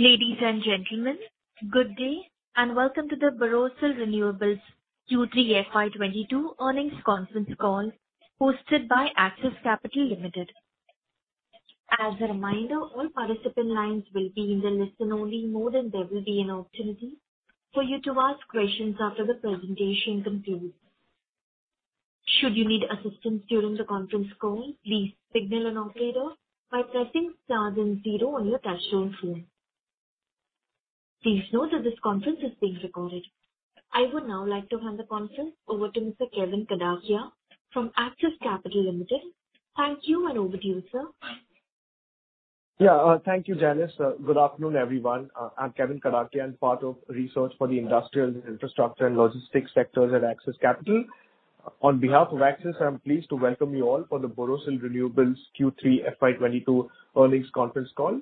Ladies and gentlemen, good day, and welcome to the Borosil Renewables Q3 FY 2022 earnings conference call hosted by Axis Capital Limited. As a reminder, all participant lines will be in the listen only mode, and there will be an opportunity for you to ask questions after the presentation concludes. Should you need assistance during the conference call, please signal an operator by pressing star then zero on your touchtone phone. Please note that this conference is being recorded. I would now like to hand the conference over to Mr. Kevyn Kadakia from Axis Capital Limited. Thank you, and over to you, sir. Thank you, Janice. Good afternoon, everyone. I'm Kevyn Kadakia. I'm part of research for the industrial infrastructure and logistics sectors at Axis Capital. On behalf of Axis, I'm pleased to welcome you all for the Borosil Renewables Q3 FY 2022 earnings conference call.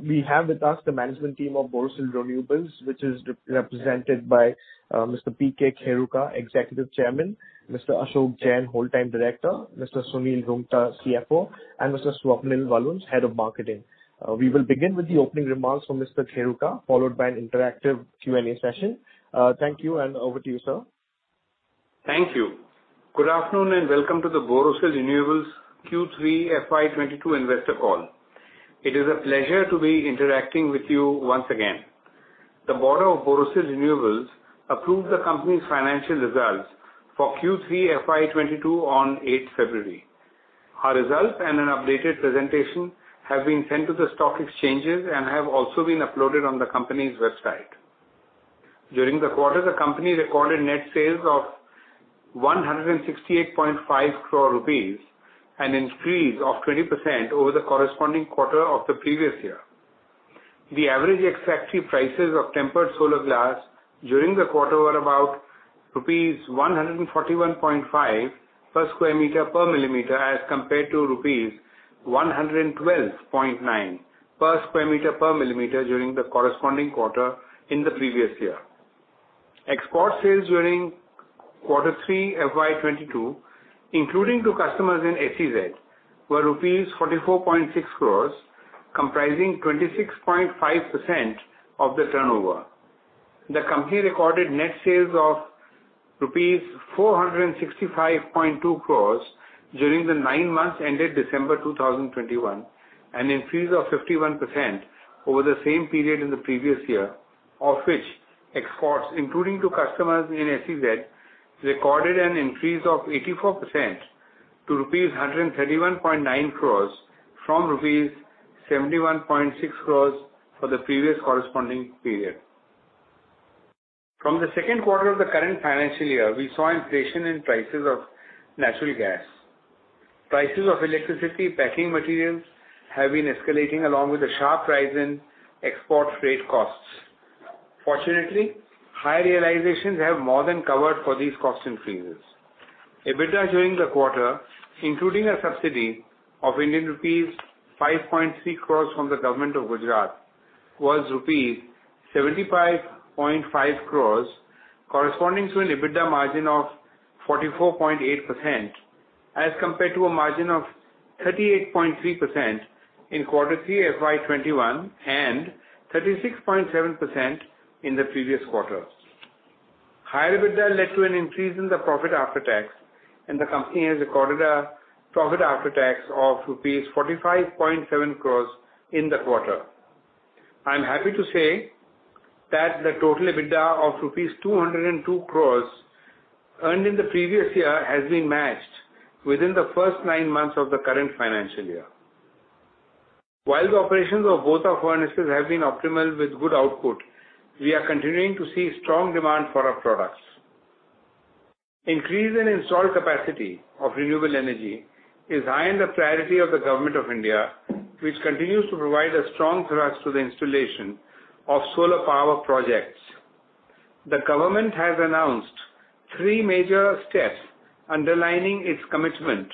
We have with us the management team of Borosil Renewables, which is represented by Mr. P. K. Kheruka, Executive Chairman, Mr. Ashok Jain, Whole-time Director, Mr. Sunil Roongta, CFO, and Mr. Swapnil Walunj, Head of Marketing. We will begin with the opening remarks from Mr. Kheruka, followed by an interactive Q&A session. Thank you, and over to you, sir. Thank you. Good afternoon, and welcome to the Borosil Renewables Q3 FY 2022 investor call. It is a pleasure to be interacting with you once again. The board of Borosil Renewables approved the company's financial results for Q3 FY 2022 on February 8. Our results and an updated presentation have been sent to the stock exchanges and have also been uploaded on the company's website. During the quarter, the company recorded net sales of 168.5 crore rupees, an increase of 20% over the corresponding quarter of the previous year. The average factory prices of tempered solar glass during the quarter were about rupees 141.5 per sq m per mm as compared to rupees 112.9 per sq m per mm during the corresponding quarter in the previous year. Export sales during quarter three FY 2022, including to customers in SEZ, were rupees 44.6 crores, comprising 26.5% of the turnover. The company recorded net sales of rupees 465.2 crores during the nine months ended December 2021, an increase of 51% over the same period in the previous year, of which exports, including to customers in SEZ, recorded an increase of 84% to rupees 131.9 crores from rupees 71.6 crores for the previous corresponding period. From the second quarter of the current financial year, we saw inflation in prices of natural gas. Prices of electricity packing materials have been escalating along with a sharp rise in export freight costs. Fortunately, high realizations have more than covered for these cost increases. EBITDA during the quarter, including a subsidy of Indian rupees 5.3 crores from the government of Gujarat, was rupees 75.5 crores, corresponding to an EBITDA margin of 44.8% as compared to a margin of 38.3% in Q3 FY 2021 and 36.7% in the previous quarter. Higher EBITDA led to an increase in the profit after tax, and the company has recorded a profit after tax of rupees 45.7 crores in the quarter. I'm happy to say that the total EBITDA of rupees 202 crores earned in the previous year has been matched within the first nine months of the current financial year. While the operations of both our furnaces have been optimal with good output, we are continuing to see strong demand for our products. Increase in installed capacity of renewable energy is high on the priority of the Government of India, which continues to provide a strong thrust to the installation of solar power projects. The Government has announced three major steps underlining its commitment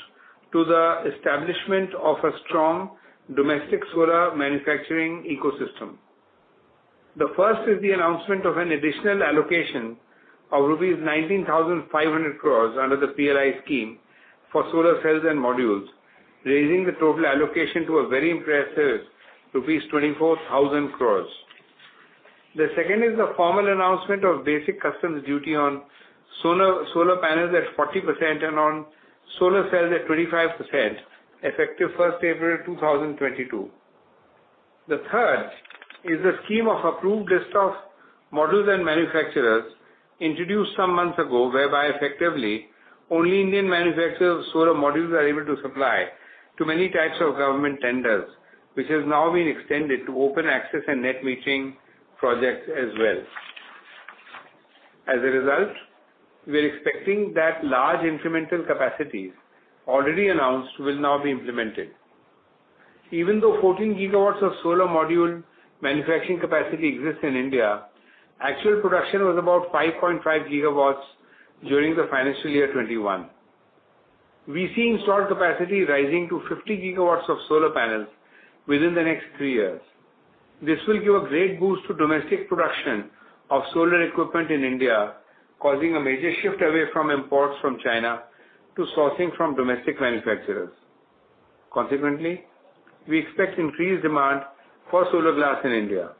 to the establishment of a strong domestic solar manufacturing ecosystem. The first is the announcement of an additional allocation of rupees 19,500 crores under the PLI scheme for solar cells and modules, raising the total allocation to a very impressive rupees 24,000 crores. The second is the formal announcement of basic customs duty on solar panels at 40% and on solar cells at 25%, effective 1st April 2022. The third is the scheme of approved list of modules and manufacturers introduced some months ago, whereby effectively only Indian manufacturers of solar modules are able to supply to many types of government tenders, which has now been extended to open access and net metering projects as well. As a result, we're expecting that large incremental capacities already announced will now be implemented. Even though 14 GW of solar module manufacturing capacity exists in India, actual production was about 5.5 GW during the financial year 2021. We see installed capacity rising to 50 GW of solar panels within the next three years. This will give a great boost to domestic production of solar equipment in India, causing a major shift away from imports from China to sourcing from domestic manufacturers. Consequently, we expect increased demand for solar glass in India.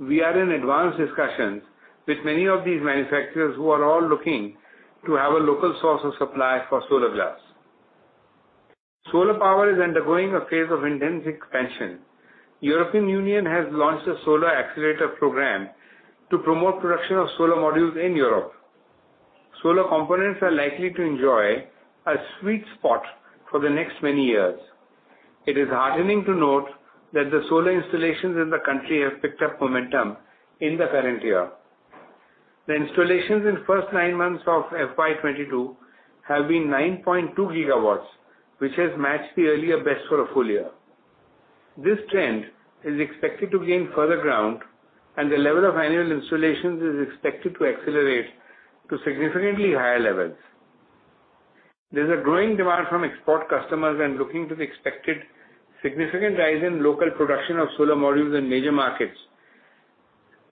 We are in advanced discussions with many of these manufacturers who are all looking to have a local source of supply for solar glass. Solar power is undergoing a phase of intense expansion. European Union has launched a solar accelerator program to promote production of solar modules in Europe. Solar components are likely to enjoy a sweet spot for the next many years. It is heartening to note that the solar installations in the country have picked up momentum in the current year. The installations in first nine months of FY 2022 have been 9.2 GW, which has matched the earlier best for a full year. This trend is expected to gain further ground, and the level of annual installations is expected to accelerate to significantly higher levels. There's a growing demand from export customers and looking to the expected significant rise in local production of solar modules in major markets.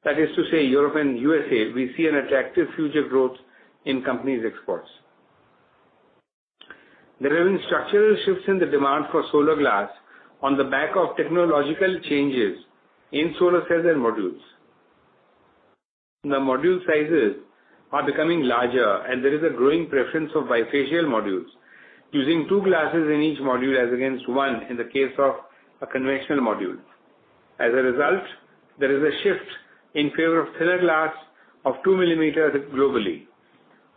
That is to say, Europe and USA, we see an attractive future growth in company's exports. There have been structural shifts in the demand for solar glass on the back of technological changes in solar cells and modules. The module sizes are becoming larger, and there is a growing preference of bifacial modules using two glasses in each module as against one in the case of a conventional module. As a result, there is a shift in favor of thinner glass of two millimeters globally.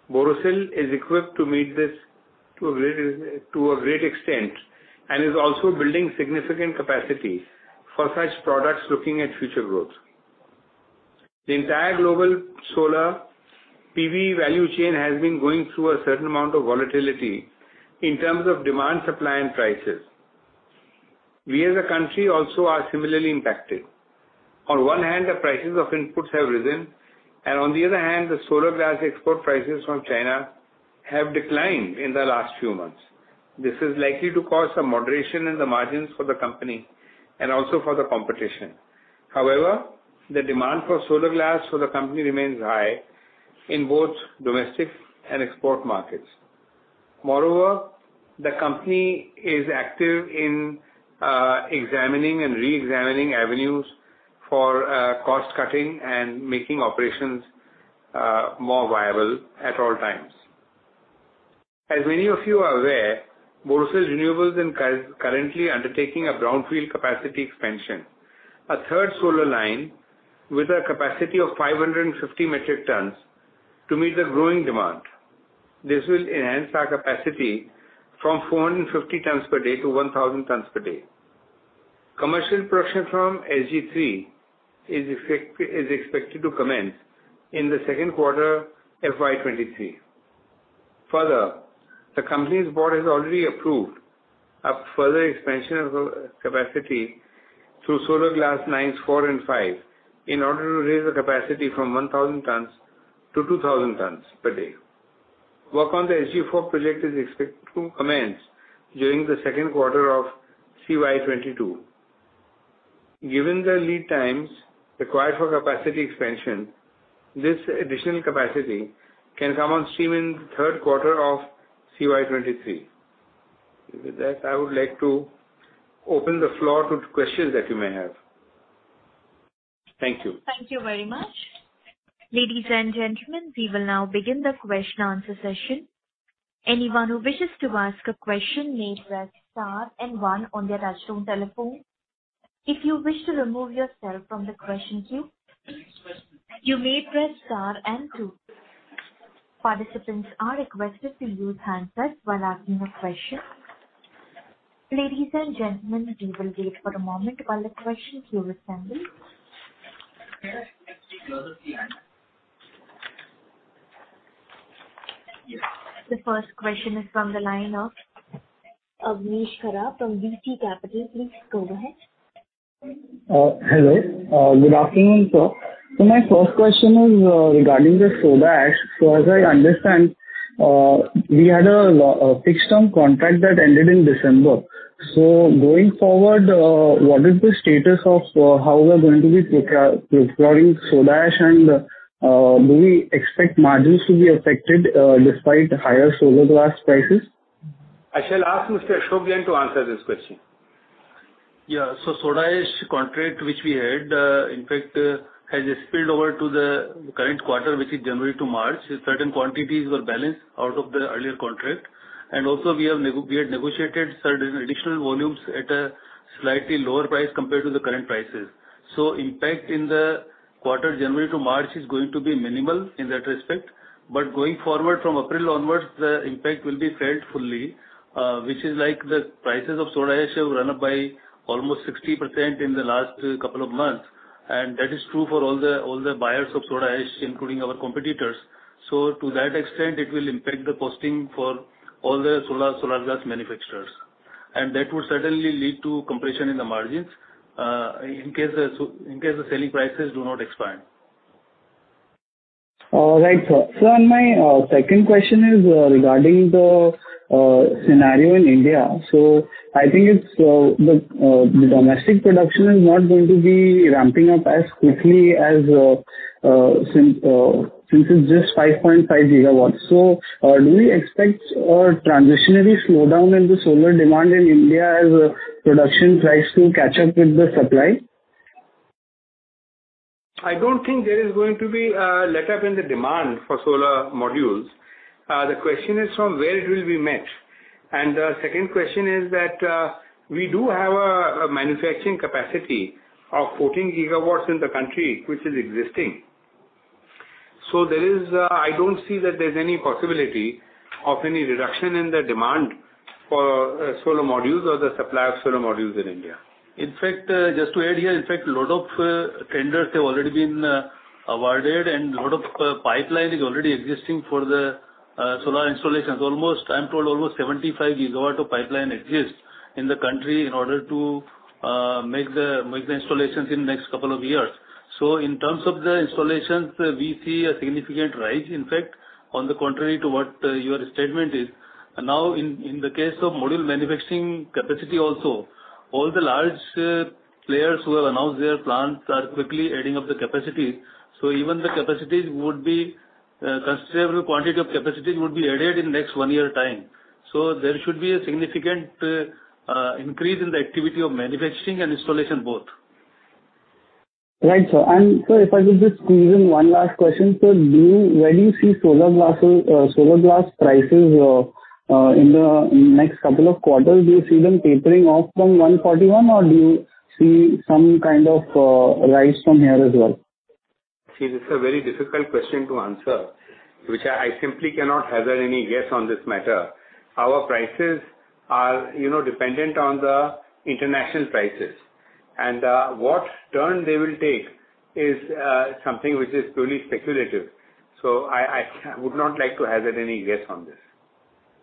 Borosil is equipped to meet this to a great extent, and is also building significant capacity for such products looking at future growth. The entire global solar PV value chain has been going through a certain amount of volatility in terms of demand, supply and prices. We as a country also are similarly impacted. On one hand, the prices of inputs have risen, and on the other hand, the solar glass export prices from China have declined in the last few months. This is likely to cause some moderation in the margins for the company and also for the competition. However, the demand for solar glass for the company remains high in both domestic and export markets. Moreover, the company is active in examining and reexamining avenues for cost cutting and making operations more viable at all times. As many of you are aware, Borosil Renewables is currently undertaking a brownfield capacity expansion, a third solar line with a capacity of 550 metric tons to meet the growing demand. This will enhance our capacity from 450 tons per day to 1,000 tons per day. Commercial production from SG-3 is expected to commence in the second quarter FY 2023. Further, the company's board has already approved a further expansion of capacity through solar glass lines four and five in order to raise the capacity from 1,000 tons-2,000 tons per day. Work on the SG-4 project is expected to commence during the second quarter of CY 2022. Given the lead times required for capacity expansion, this additional capacity can come on stream in the third quarter of CY 2023. With that, I would like to open the floor to questions that you may have. Thank you. Thank you very much. Ladies and gentlemen, we will now begin the Q&A session. Anyone who wishes to ask a question may press star and one on their touchtone telephone. If you wish to remove yourself from the question queue, you may press star and two. Participants are requested to use handsets while asking a question. Ladies and gentlemen, we will wait for a moment while the question queue assembles. The first question is from the line of Avnish Khara from VT Capital. Please go ahead. Hello. Good afternoon, sir. My first question is regarding the soda ash. As I understand, we had a fixed term contract that ended in December. Going forward, what is the status of how we are going to be procuring soda ash? And do we expect margins to be affected despite higher solar glass prices? I shall ask Mr. Ashok Jain to answer this question. Yeah. Soda ash contract which we had, in fact, has spilled over to the current quarter, which is January to March. Certain quantities were balanced out of the earlier contract, and also we had negotiated certain additional volumes at a slightly lower price compared to the current prices. Impact in the quarter January-March is going to be minimal in that respect. Going forward, from April onwards, the impact will be felt fully, which is like the prices of soda ash have run up by almost 60% in the last couple of months. That is true for all the buyers of soda ash, including our competitors. To that extent, it will impact the costing for all the solar glass manufacturers. That would certainly lead to compression in the margins, in case the selling prices do not expand. All right, sir. My second question is regarding the scenario in India. I think it's the domestic production is not going to be ramping up as quickly since it's just 5.5 GW. Do we expect a transitional slowdown in the solar demand in India as production tries to catch up with the supply? I don't think there is going to be a letup in the demand for solar modules. The question is from where it will be met. The second question is that we do have a manufacturing capacity of 14 GW in the country, which is existing. I don't see that there's any possibility of any reduction in the demand for solar modules or the supply of solar modules in India. In fact, just to add here, in fact, a lot of tenders have already been awarded and a lot of pipeline is already existing for the solar installations. Almost, I'm told, 75 GW of pipeline exists in the country in order to make the installations in next couple of years. In terms of the installations, we see a significant rise, in fact, on the contrary to what your statement is. Now, in the case of module manufacturing capacity also, all the large players who have announced their plans are quickly adding up the capacity. Even the capacities would be a considerable quantity of capacities added in next one year time. There should be a significant increase in the activity of manufacturing and installation both. Right, sir. Sir, if I could just squeeze in one last question. Where do you see solar glass prices in the next couple of quarters? Do you see them tapering off from 141, or do you see some kind of rise from here as well? See, this is a very difficult question to answer, which I simply cannot hazard any guess on this matter. Our prices are, you know, dependent on the international prices. What turn they will take is something which is purely speculative. I would not like to hazard any guess on this.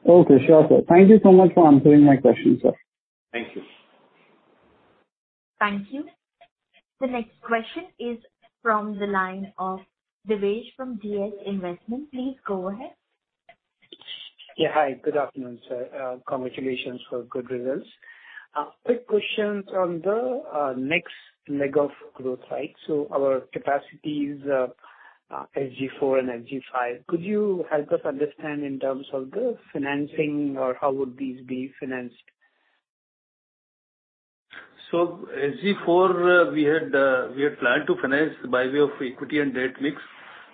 Okay. Sure, sir. Thank you so much for answering my question, sir. Thank you. Thank you. The next question is from the line of Devesh from DS Investment. Please go ahead. Yeah. Hi. Good afternoon, sir. Congratulations for good results. Quick questions on the next leg of growth, right? Our capacities, SG-4 and SG-5, could you help us understand in terms of the financing or how would these be financed? SG-4, we had planned to finance by way of equity and debt mix.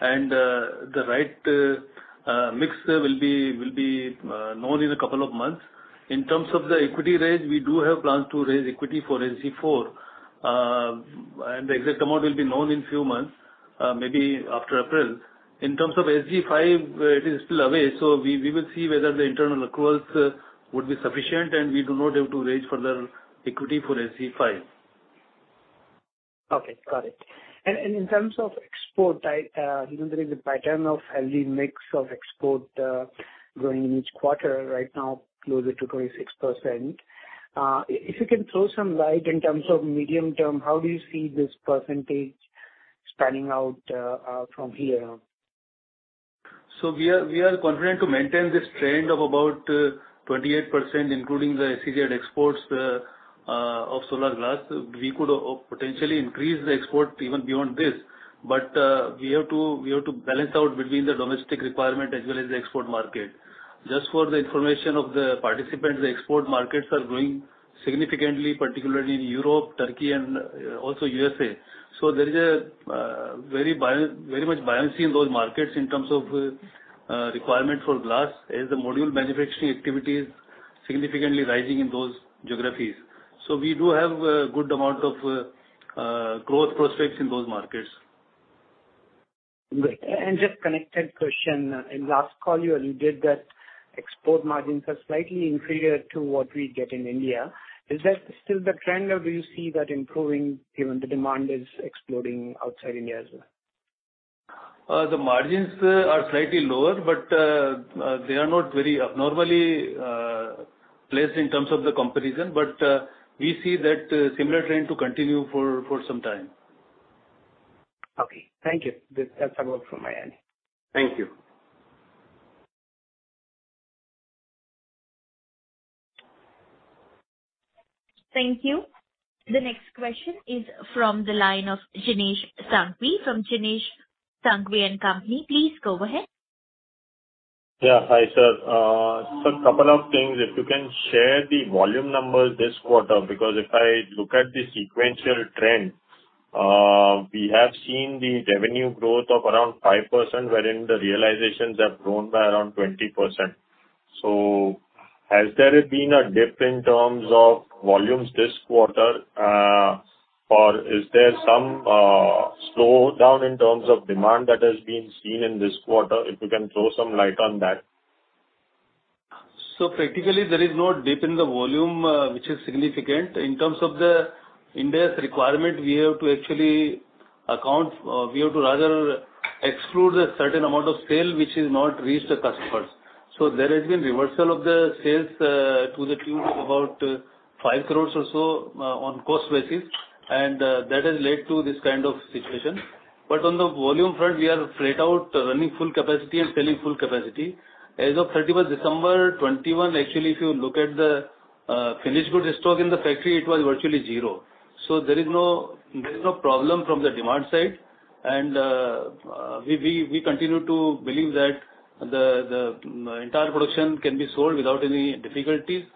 The right mix will be known in a couple of months. In terms of the equity raise, we do have plans to raise equity for SG-4 The exact amount will be known in few months, maybe after April. In terms of SG-5, it is still away, so we will see whether the internal accruals would be sufficient, and we do not have to raise further equity for SG-5. Okay. Got it. In terms of export, even there is a pattern of healthy mix of export growing in each quarter right now closer to 26%. If you can throw some light in terms of medium-term, how do you see this percentage panning out from here? We are confident to maintain this trend of about 28%, including the SEZ exports of solar glass. We could potentially increase the export even beyond this. We have to balance out between the domestic requirement as well as the export market. Just for the information of the participants, the export markets are growing significantly, particularly in Europe, Turkey, and also USA. There is very much buoyancy in those markets in terms of requirement for glass as the module manufacturing activity is significantly rising in those geographies. We do have a good amount of growth prospects in those markets. Great. Just connected question. In last call you indicated that export margins are slightly inferior to what we get in India. Is that still the trend or do you see that improving given the demand is exploding outside India as well? The margins are slightly lower, but they are not very abnormally placed in terms of the comparison. We see that similar trend to continue for some time. Okay. Thank you. That's all from my end. Thank you. Thank you. The next question is from the line of Jinesh Sanghvi from Jinesh Sanghvi & Company. Please go ahead. Yeah. Hi, sir. Couple of things. If you can share the volume numbers this quarter, because if I look at the sequential trend, we have seen the revenue growth of around 5%, wherein the realizations have grown by around 20%. Has there been a dip in terms of volumes this quarter, or is there some slowdown in terms of demand that has been seen in this quarter? If you can throw some light on that. Practically there is no dip in the volume, which is significant. In terms of India's requirement, we have to actually account, we have to rather exclude a certain amount of sale which has not reached the customers. There has been reversal of the sales, to the tune of about 5 crore or so, on cost basis, and that has led to this kind of situation. On the volume front, we are flat out running full capacity and selling full capacity. As of 31st December 2021, actually, if you look at the finished goods stock in the factory, it was virtually zero. There is no problem from the demand side. We continue to believe that the entire production can be sold without any difficulties.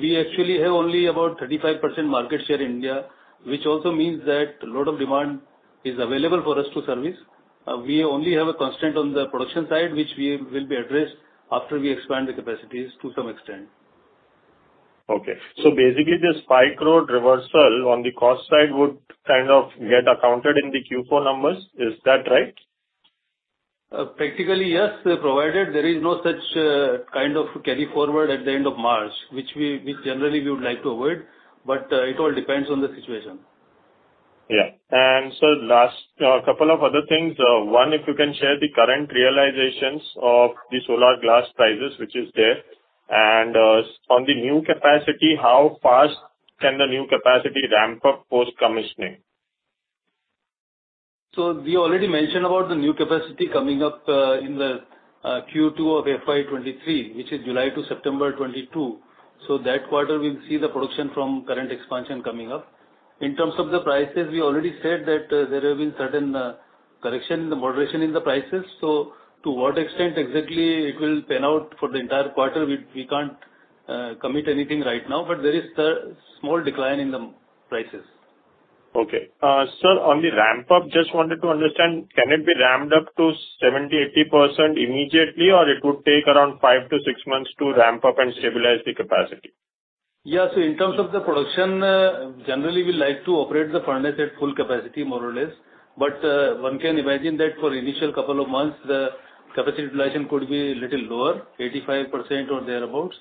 We actually have only about 35% market share in India, which also means that a lot of demand is available for us to service. We only have a constraint on the production side, which will be addressed after we expand the capacities to some extent. Okay. Basically this INR 5 crore reversal on the cost side would kind of get accounted in the Q4 numbers. Is that right? Practically, yes, provided there is no such kind of carry forward at the end of March, which generally we would like to avoid, but it all depends on the situation. Yeah. Last couple of other things. One, if you can share the current realizations of the solar glass prices which is there. On the new capacity, how fast can the new capacity ramp up post-commissioning? We already mentioned about the new capacity coming up in the Q2 of FY 2023, which is July to September 2022. That quarter we'll see the production from current expansion coming up. In terms of the prices, we already said that there have been certain correction, the moderation in the prices. To what extent exactly it will pan out for the entire quarter, we can't commit anything right now, but there is the small decline in the prices. Okay. Sir, on the ramp-up, just wanted to understand, can it be ramped up to 70%-80% immediately, or it would take around five to six months to ramp up and stabilize the capacity? Yeah. In terms of the production, generally we like to operate the furnace at full capacity more or less. One can imagine that for initial couple of months, the capacity utilization could be a little lower, 85% or thereabouts.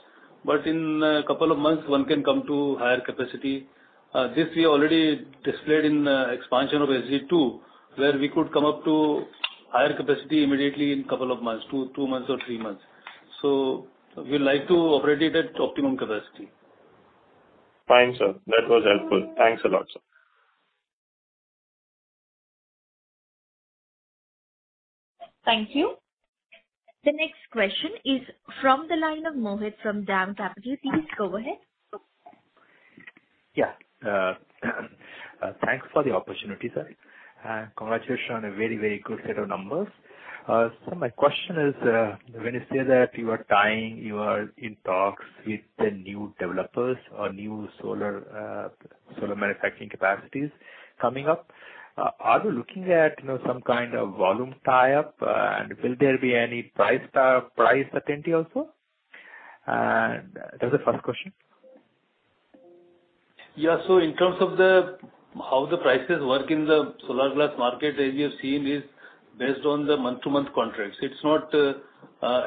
In a couple of months, one can come to higher capacity. This we already displayed in expansion of SG-2, where we could come up to higher capacity immediately in couple of months, two months or three months. We like to operate it at optimum capacity. Fine, sir. That was helpful. Thanks a lot, sir. Thank you. The next question is from the line of Mohit from DAM Capital. Please go ahead. Yeah. Thanks for the opportunity, sir, and congratulations on a very, very good set of numbers. My question is, when you say that you are tying, you are in talks with the new developers or new solar manufacturing capacities coming up, are you looking at, you know, some kind of volume tie-up? Will there be any price certainty also? That's the first question. In terms of how the prices work in the solar glass market, as you have seen, is based on the month-to-month contracts. It's not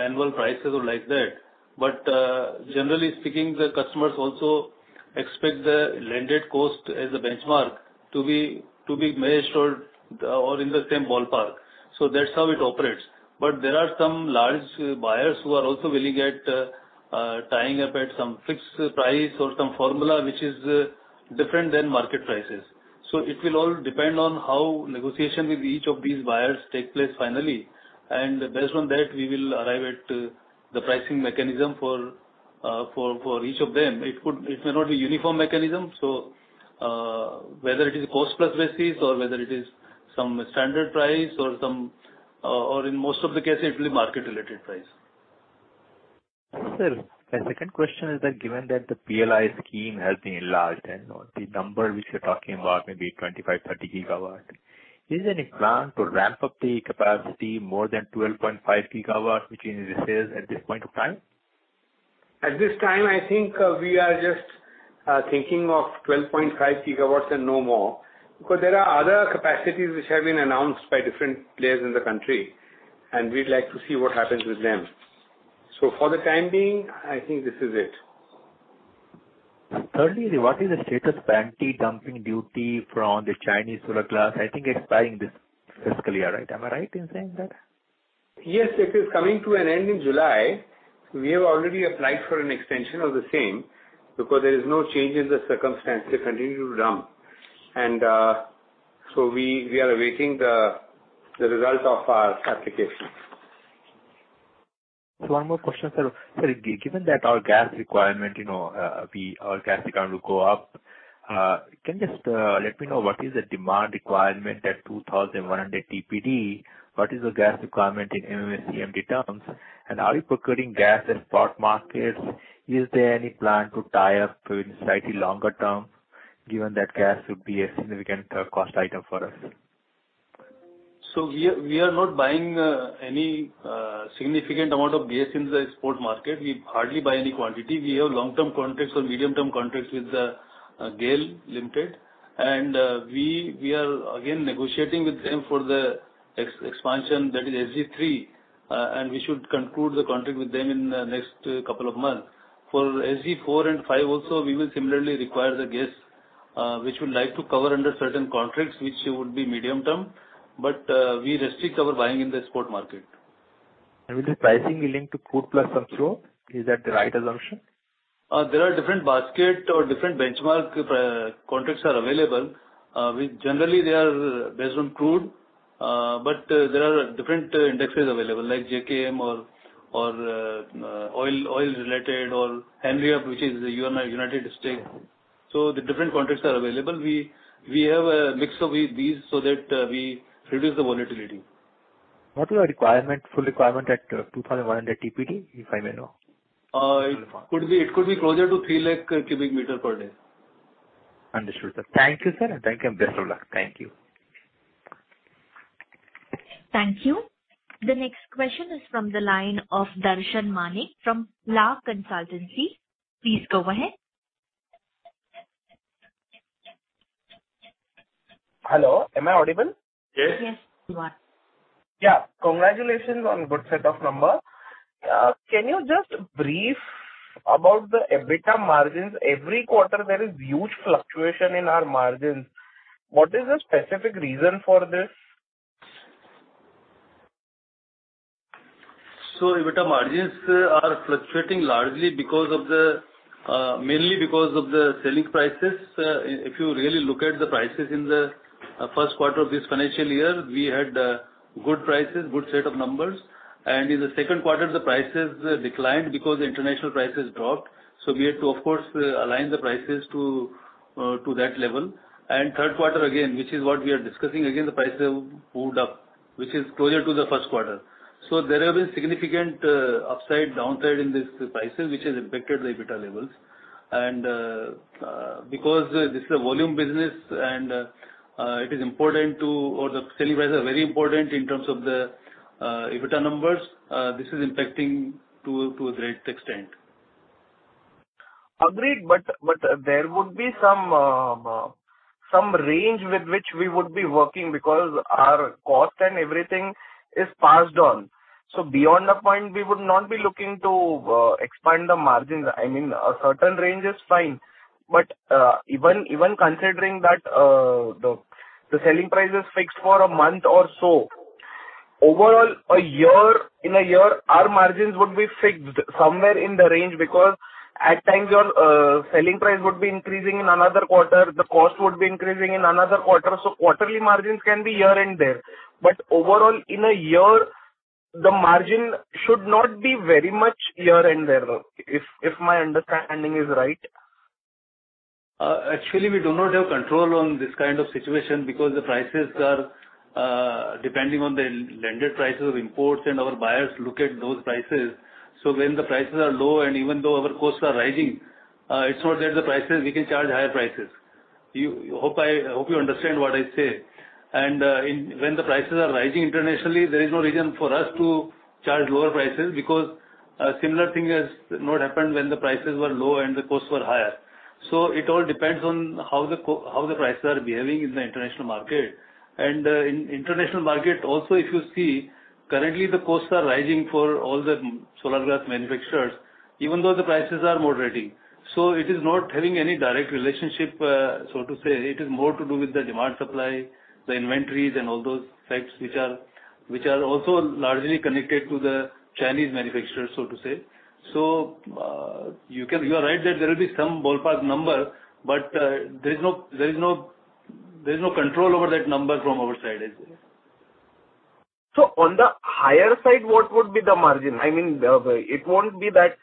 annual prices or like that. Generally speaking, the customers also expect the landed cost as a benchmark to be measured or in the same ballpark. That's how it operates. There are some large buyers who are also willing to tie up at some fixed price or some formula which is different than market prices. It will all depend on how negotiation with each of these buyers take place finally. Based on that, we will arrive at the pricing mechanism for each of them. It may not be uniform mechanism. Whether it is cost plus basis or whether it is some standard price or in most of the cases it will be market related price. Sir, my second question is that given that the PLI scheme has been enlarged and the number which you're talking about may be 25-30 GW, is there any plan to ramp up the capacity more than 12.5 GW which is in the sales at this point of time? At this time, I think, we are just thinking of 12.5 GW and no more. Because there are other capacities which have been announced by different players in the country, and we'd like to see what happens with them. For the time being, I think this is it. Thirdly, what is the status of anti-dumping duty from the Chinese solar glass? I think it's expiring this fiscal year, right? Am I right in saying that? Yes, it is coming to an end in July. We have already applied for an extension of the same because there is no change in the circumstance to continue to dump. We are awaiting the result of our application. One more question, sir. Sir, given that our gas requirement will go up, can you just let me know what is the demand requirement at 2,100 TPD? What is the gas requirement in MMSCMD terms? And are you procuring gas in spot markets? Is there any plan to tie up to slightly longer term, given that gas would be a significant cost item for us? We are not buying any significant amount of gas in the export market. We hardly buy any quantity. We have long-term contracts or medium-term contracts with GAIL Limited. We are again negotiating with them for the expansion, that is SG-3, and we should conclude the contract with them in the next couple of months. For SG-4 and 5 also, we will similarly require the gas, which we would like to cover under certain contracts, which would be medium-term, but we restrict our buying in the spot market. With the pricing linked to crude plus some flow, is that the right assumption? There are different basket or different benchmark pre-contracts are available. Generally, they are based on crude, but there are different indexes available, like JKM or oil-related or Henry Hub, which is United States. The different contracts are available. We have a mix of these, so that we reduce the volatility. What is your requirement, full requirement at 2,100 TPD, if I may know? It could be closer to 3 lakh cubic meters per day. Understood, sir. Thank you, sir. Thank you and best of luck. Thank you. Thank you. The next question is from the line of Darshan Manik from LA Consultancy. Please go ahead. Hello, am I audible? Yes. Yes, you are. Yeah. Congratulations on good set of number. Can you just brief about the EBITDA margins? Every quarter there is huge fluctuation in our margins. What is the specific reason for this? EBITDA margins are fluctuating largely because of the mainly because of the selling prices. If you really look at the prices in the first quarter of this financial year, we had good prices, good set of numbers. In the second quarter, the prices declined because the international prices dropped. We had to of course align the prices to to that level. Third quarter again, which is what we are discussing, again the prices moved up, which is closer to the first quarter. There have been significant upside, downside in these prices, which has impacted the EBITDA levels. Because this is a volume business and it is important or the selling prices are very important in terms of the EBITDA numbers, this is impacting to a great extent. Agreed. There would be some range with which we would be working because our cost and everything is passed on. Beyond that point, we would not be looking to expand the margins. I mean, a certain range is fine, but even considering that, the selling price is fixed for a month or so, overall a year, in a year, our margins would be fixed somewhere in the range because at times your selling price would be increasing in another quarter, the cost would be increasing in another quarter. Quarterly margins can be here and there. Overall in a year the margin should not be very much here and there, if my understanding is right. Actually we do not have control on this kind of situation because the prices are depending on the landed prices of imports and our buyers look at those prices. When the prices are low and even though our costs are rising, it's not that the prices we can charge higher prices. Hope you understand what I say. When the prices are rising internationally, there is no reason for us to charge lower prices because a similar thing has not happened when the prices were low and the costs were higher. It all depends on how the prices are behaving in the international market. In international market also, if you see currently the costs are rising for all the solar glass manufacturers even though the prices are moderating. It is not having any direct relationship, so to say. It is more to do with the demand supply, the inventories and all those facts which are also largely connected to the Chinese manufacturers, so to say. You are right that there will be some ballpark number, but there is no control over that number from our side. On the higher side, what would be the margin? I mean, it won't be that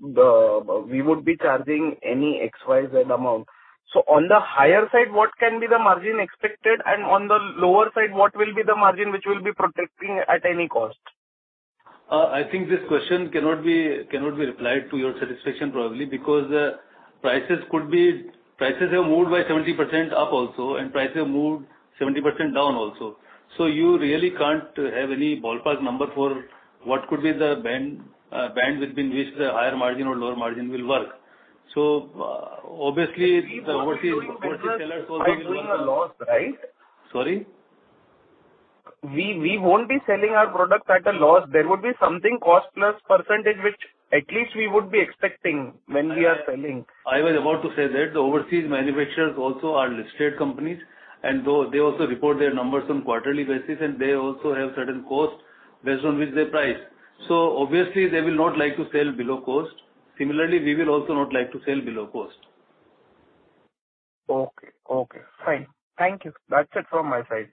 the, we would be charging any XYZ amount. On the higher side, what can be the margin expected? On the lower side, what will be the margin which we'll be protecting at any cost? I think this question cannot be replied to your satisfaction probably because Prices have moved by 70% up also, and prices have moved 70% down also. You really can't have any ballpark number for what could be the bandwidth between which the higher margin or lower margin will work. Obviously the overseas We won't be selling our products at a loss, right? Sorry? We won't be selling our product at a loss. There would be something cost plus percentage, which at least we would be expecting when we are selling. I was about to say that the overseas manufacturers also are listed companies, and though they also report their numbers on quarterly basis, and they also have certain costs based on which they price. Obviously they will not like to sell below cost. Similarly, we will also not like to sell below cost. Okay, fine. Thank you. That's it from my side.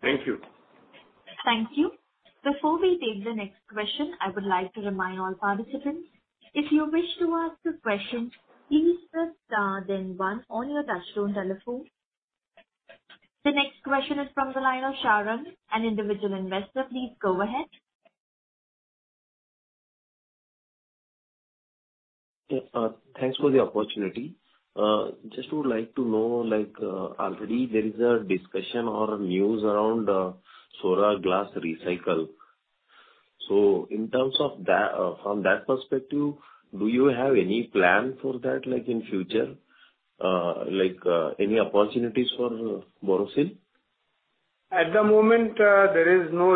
Thank you. Thank you. Before we take the next question, I would like to remind all participants, if you wish to ask a question, please press star then one on your touchtone telephone. The next question is from the line of Sharang, an individual investor. Please go ahead. Yeah. Thanks for the opportunity. Just would like to know, like, already there is a discussion or news around solar glass recycling. In terms of that, from that perspective, do you have any plan for that, like in future, like, any opportunities for Borosil? At the moment, there is no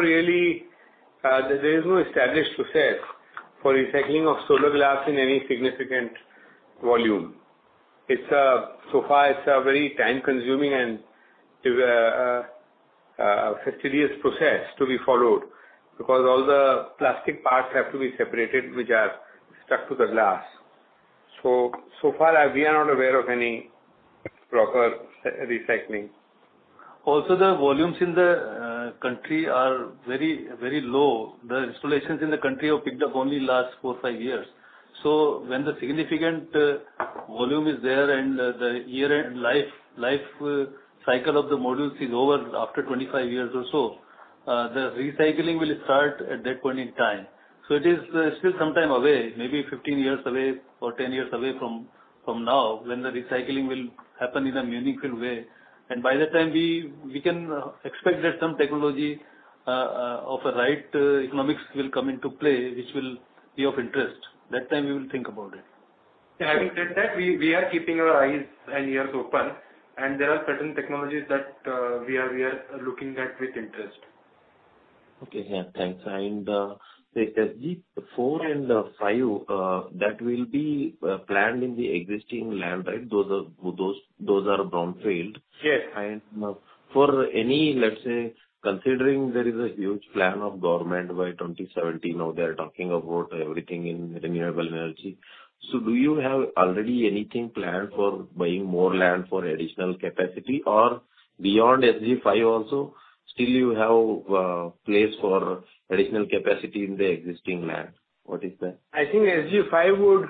established process for recycling of solar glass in any significant volume. It's so far a very time-consuming and fastidious process to be followed because all the plastic parts have to be separated, which are stuck to the glass. So far, we are not aware of any proper recycling. The volumes in the country are very, very low. The installations in the country have picked up only last four to five years. When the significant volume is there and the end of the life cycle of the modules is over after 25 years or so, the recycling will start at that point in time. It is still some time away, maybe 15 years away or 10 years away from now when the recycling will happen in a meaningful way. By that time we can expect that some technology of the right economics will come into play, which will be of interest. At that time we will think about it. Having said that, we are keeping our eyes and ears open, and there are certain technologies that we are looking at with interest. Thanks. Say SG-4 and SG-5, that will be planned in the existing land, right? Those are brownfield. Yes. For any, let's say, considering there is a huge plan of government by 2070 now they are talking about everything in renewable energy. Do you have already anything planned for buying more land for additional capacity or beyond SG-5 also, still you have place for additional capacity in the existing land? What is that? I think SG-5 would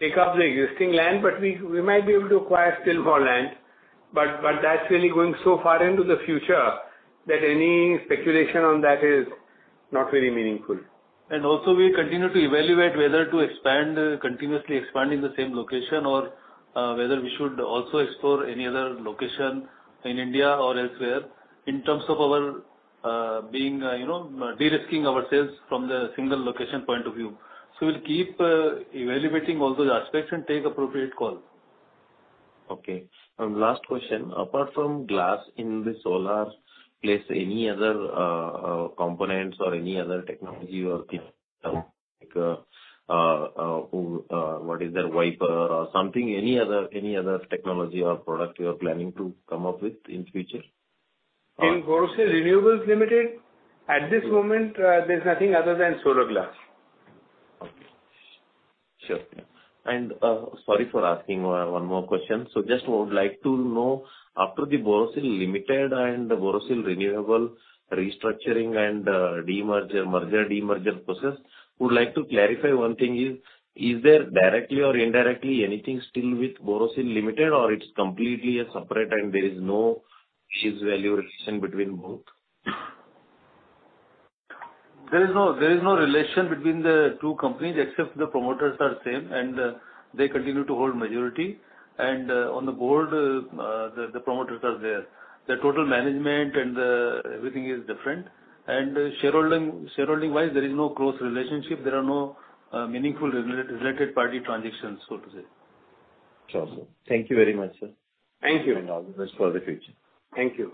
take up the existing land, but we might be able to acquire still more land. That's really going so far into the future that any speculation on that is not very meaningful. We continue to evaluate whether to expand, continuously expand in the same location or whether we should also explore any other location in India or elsewhere in terms of our being you know de-risking ourselves from the single location point of view. We'll keep evaluating all those aspects and take appropriate call. Okay. Last question. Apart from glass in the solar space, any other components or any other technology or thing, what is that, wafer or something, any other technology or product you are planning to come up with in future? In Borosil Renewables Limited, at this moment, there's nothing other than solar glass. Okay. Sure. Sorry for asking one more question. Just would like to know, after the Borosil Limited and the Borosil Renewables restructuring and demerger, merger, demerger process, would like to clarify one thing. Is there directly or indirectly anything still with Borosil Limited or it's completely separate and there is no share value relation between both? There is no relation between the two companies except the promoters are same and they continue to hold majority. On the board, the promoters are there. The total management and everything is different. Shareholding-wise, there is no close relationship. There are no meaningful related party transactions, so to say. Sure, sir. Thank you very much, sir. Thank you. All the best for the future. Thank you.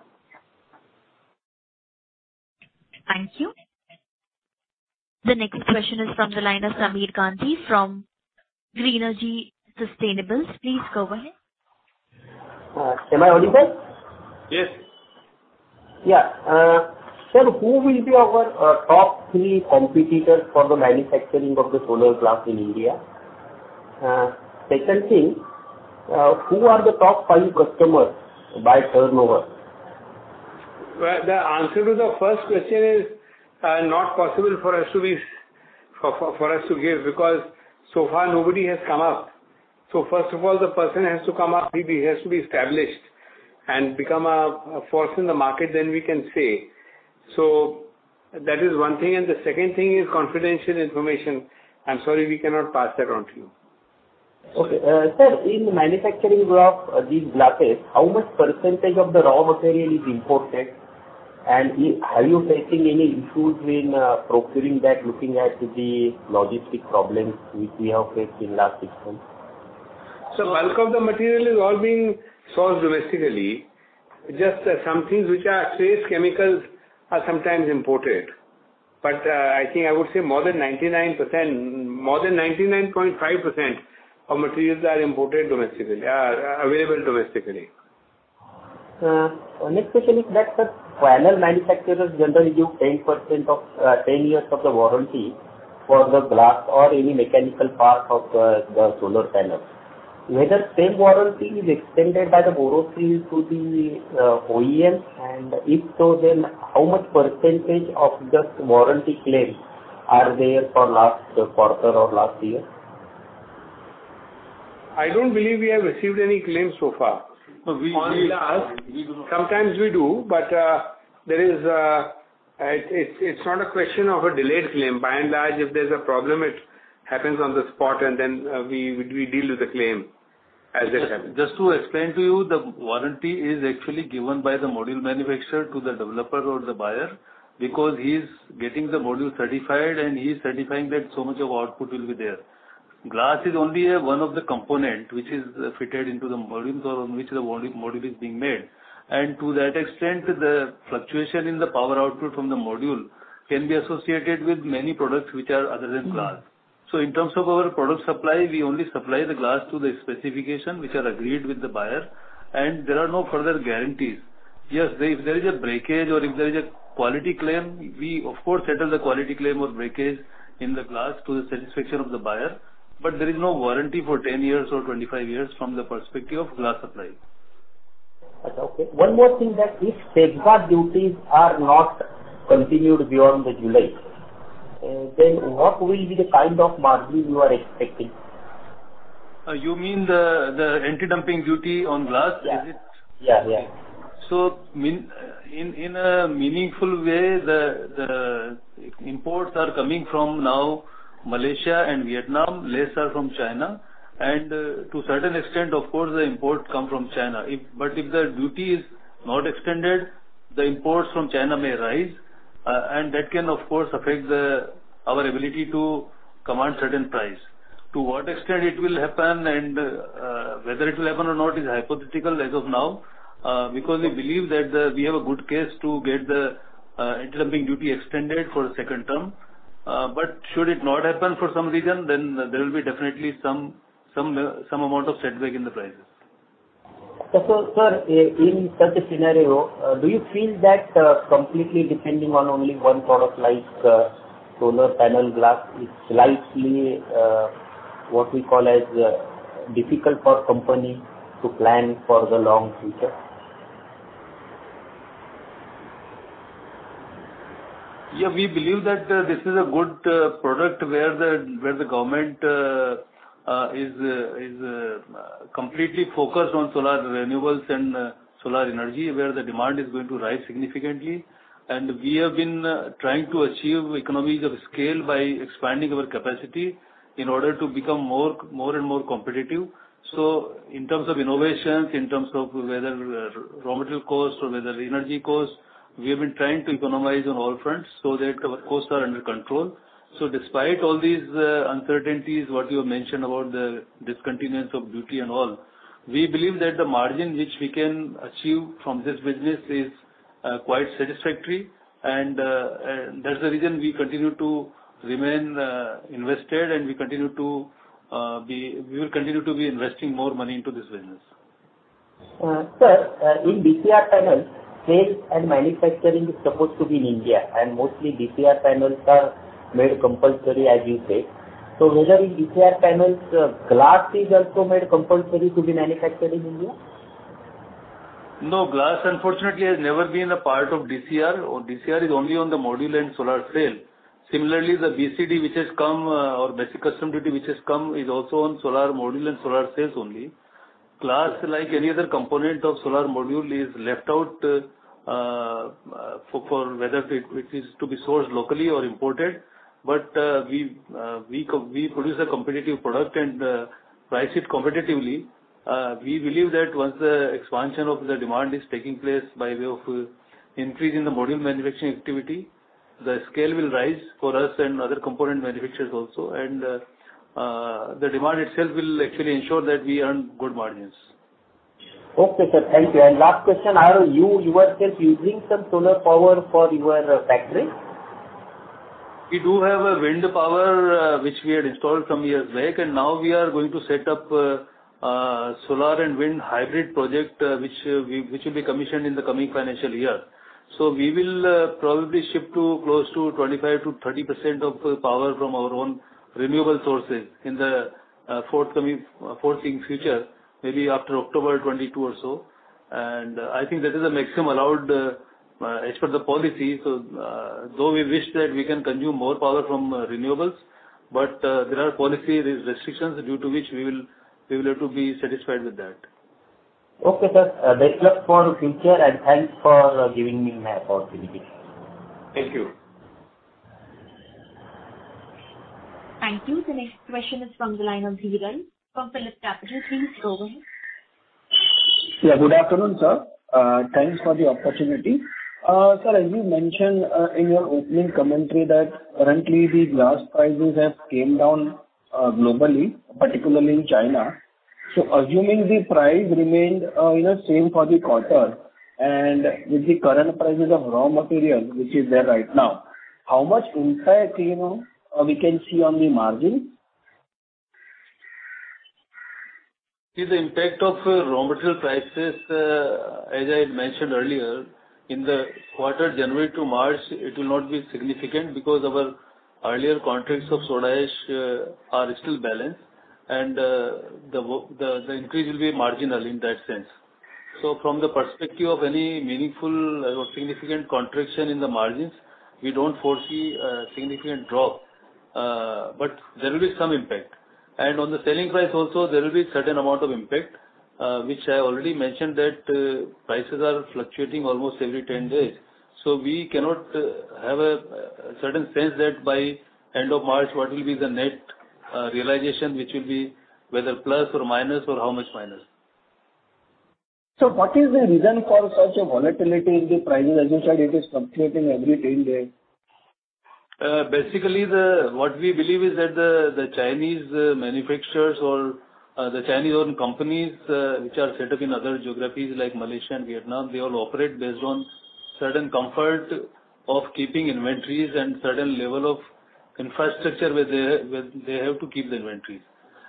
Thank you. The next question is from the line of Samir Gandhi from Greenergy Sustainables. Please go ahead. Am I audible? Yes. Yeah. Sir, who will be our top three competitors for the manufacturing of the solar glass in India? Second thing, who are the top five customers by turnover? Well, the answer to the first question is not possible for us to give, because so far nobody has come up. First of all, the person has to come up, he has to be established and become a force in the market, then we can say. That is one thing. The second thing is confidential information. I'm sorry, we cannot pass that on to you. Okay. Sir, in manufacturing of these glasses, how much percentage of the raw material is imported? Are you facing any issues in procuring that, looking at the logistic problems which we have faced in last six months? Bulk of the material is all being sourced domestically. Just some things which are trace chemicals are sometimes imported. I think I would say more than 99%, more than 99.5% of materials are available domestically. Next question is that the panel manufacturers generally give 10% of 10 years of the warranty for the glass or any mechanical part of the solar panel. Whether same warranty is extended by Borosil to the OEM. If so, then how much percentage of just warranty claims are there for last quarter or last year? I don't believe we have received any claims so far. We, we- Sometimes we do, but there is. It's not a question of a delayed claim. By and large, if there's a problem, it happens on the spot and then we deal with the claim as it happens. Just to explain to you, the warranty is actually given by the module manufacturer to the developer or the buyer because he's getting the module certified and he's certifying that so much of output will be there. Glass is only, one of the component which is fitted into the modules or on which the module is being made. To that extent, the fluctuation in the power output from the module can be associated with many products which are other than glass. In terms of our product supply, we only supply the glass to the specification which are agreed with the buyer, and there are no further guarantees. Yes, if there is a breakage or if there is a quality claim, we of course settle the quality claim or breakage in the glass to the satisfaction of the buyer. There is no warranty for 10 years or 25 years from the perspective of glass supply. Okay. One more thing that if Safeguard Duties are not continued beyond the July, then what will be the kind of margin you are expecting? You mean the anti-dumping duty on glass? Yeah. Is it? Yeah, yeah. In a meaningful way, the imports are coming from now Malaysia and Vietnam, less are from China. To a certain extent, of course, the imports come from China. But if the duty is not extended, the imports from China may rise, and that can of course affect our ability to command certain price. To what extent it will happen and whether it will happen or not is hypothetical as of now, because we believe that we have a good case to get the anti-dumping duty extended for a second term. Should it not happen for some reason, then there will be definitely some amount of setback in the prices. Sir, in such a scenario, do you feel that completely depending on only one product like solar panel glass is slightly what we call as difficult for company to plan for the long future? Yeah, we believe that this is a good product where the government is completely focused on solar renewables and solar energy, where the demand is going to rise significantly. We have been trying to achieve economies of scale by expanding our capacity in order to become more and more competitive. In terms of innovations, in terms of whether raw material costs or whether energy costs, we have been trying to economize on all fronts so that our costs are under control. Despite all these uncertainties, what you mentioned about the discontinuance of duty and all, we believe that the margin which we can achieve from this business is quite satisfactory, and that's the reason we continue to remain invested, and we continue to be... We will continue to be investing more money into this business. In DCR panels, sales and manufacturing is supposed to be in India, and mostly DCR panels are made compulsory, as you say. Whether in DCR panels, glass is also made compulsory to be manufactured in India? No, glass, unfortunately, has never been a part of DCR. DCR is only on the module and solar cell. Similarly, the BCD which has come, or Basic Customs Duty which has come is also on solar module and solar cells only. Glass, like any other component of solar module, is left out for whether it is to be sourced locally or imported. We produce a competitive product and price it competitively. We believe that once the expansion of the demand is taking place by way of increasing the module manufacturing activity, the scale will rise for us and other component manufacturers also. The demand itself will actually ensure that we earn good margins. Okay, sir. Thank you. Last question, are you, yourself using some solar power for your factory? We do have a wind power which we had installed some years back, and now we are going to set up a solar and wind hybrid project which will be commissioned in the coming financial year. We will probably shift to close to 25%-30% of the power from our own renewable sources in the forthcoming foreseen future, maybe after October 2022 or so. I think that is the maximum allowed as per the policy. Though we wish that we can consume more power from renewables, there are policy restrictions due to which we will have to be satisfied with that. Okay, sir. Best luck for future, and thanks for giving me an opportunity. Thank you. Thank you. The next question is from the line of Dhiral from Phillip Capital. Please go ahead. Yeah, good afternoon, sir. Thanks for the opportunity. Sir, as you mentioned, in your opening commentary that currently the glass prices has came down, globally, particularly in China. Assuming the price remained, you know, same for the quarter and with the current prices of raw materials, which is there right now, how much impact, you know, we can see on the margin? The impact of raw material prices, as I had mentioned earlier, in the quarter January to March, it will not be significant because our earlier contracts of soda ash are still balanced and the increase will be marginal in that sense. From the perspective of any meaningful or significant contraction in the margins, we don't foresee a significant drop, but there will be some impact. On the selling price also there will be certain amount of impact, which I already mentioned that prices are fluctuating almost every 10 days. We cannot have a certain sense that by end of March, what will be the net realization, which will be whether plus or minus or how much minus. What is the reason for such a volatility in the pricing? As you said, it is fluctuating every 10 days. Basically, what we believe is that the Chinese manufacturers or the Chinese-owned companies, which are set up in other geographies like Malaysia and Vietnam, they all operate based on certain comfort of keeping inventories and certain level of infrastructure where they have to keep the inventories.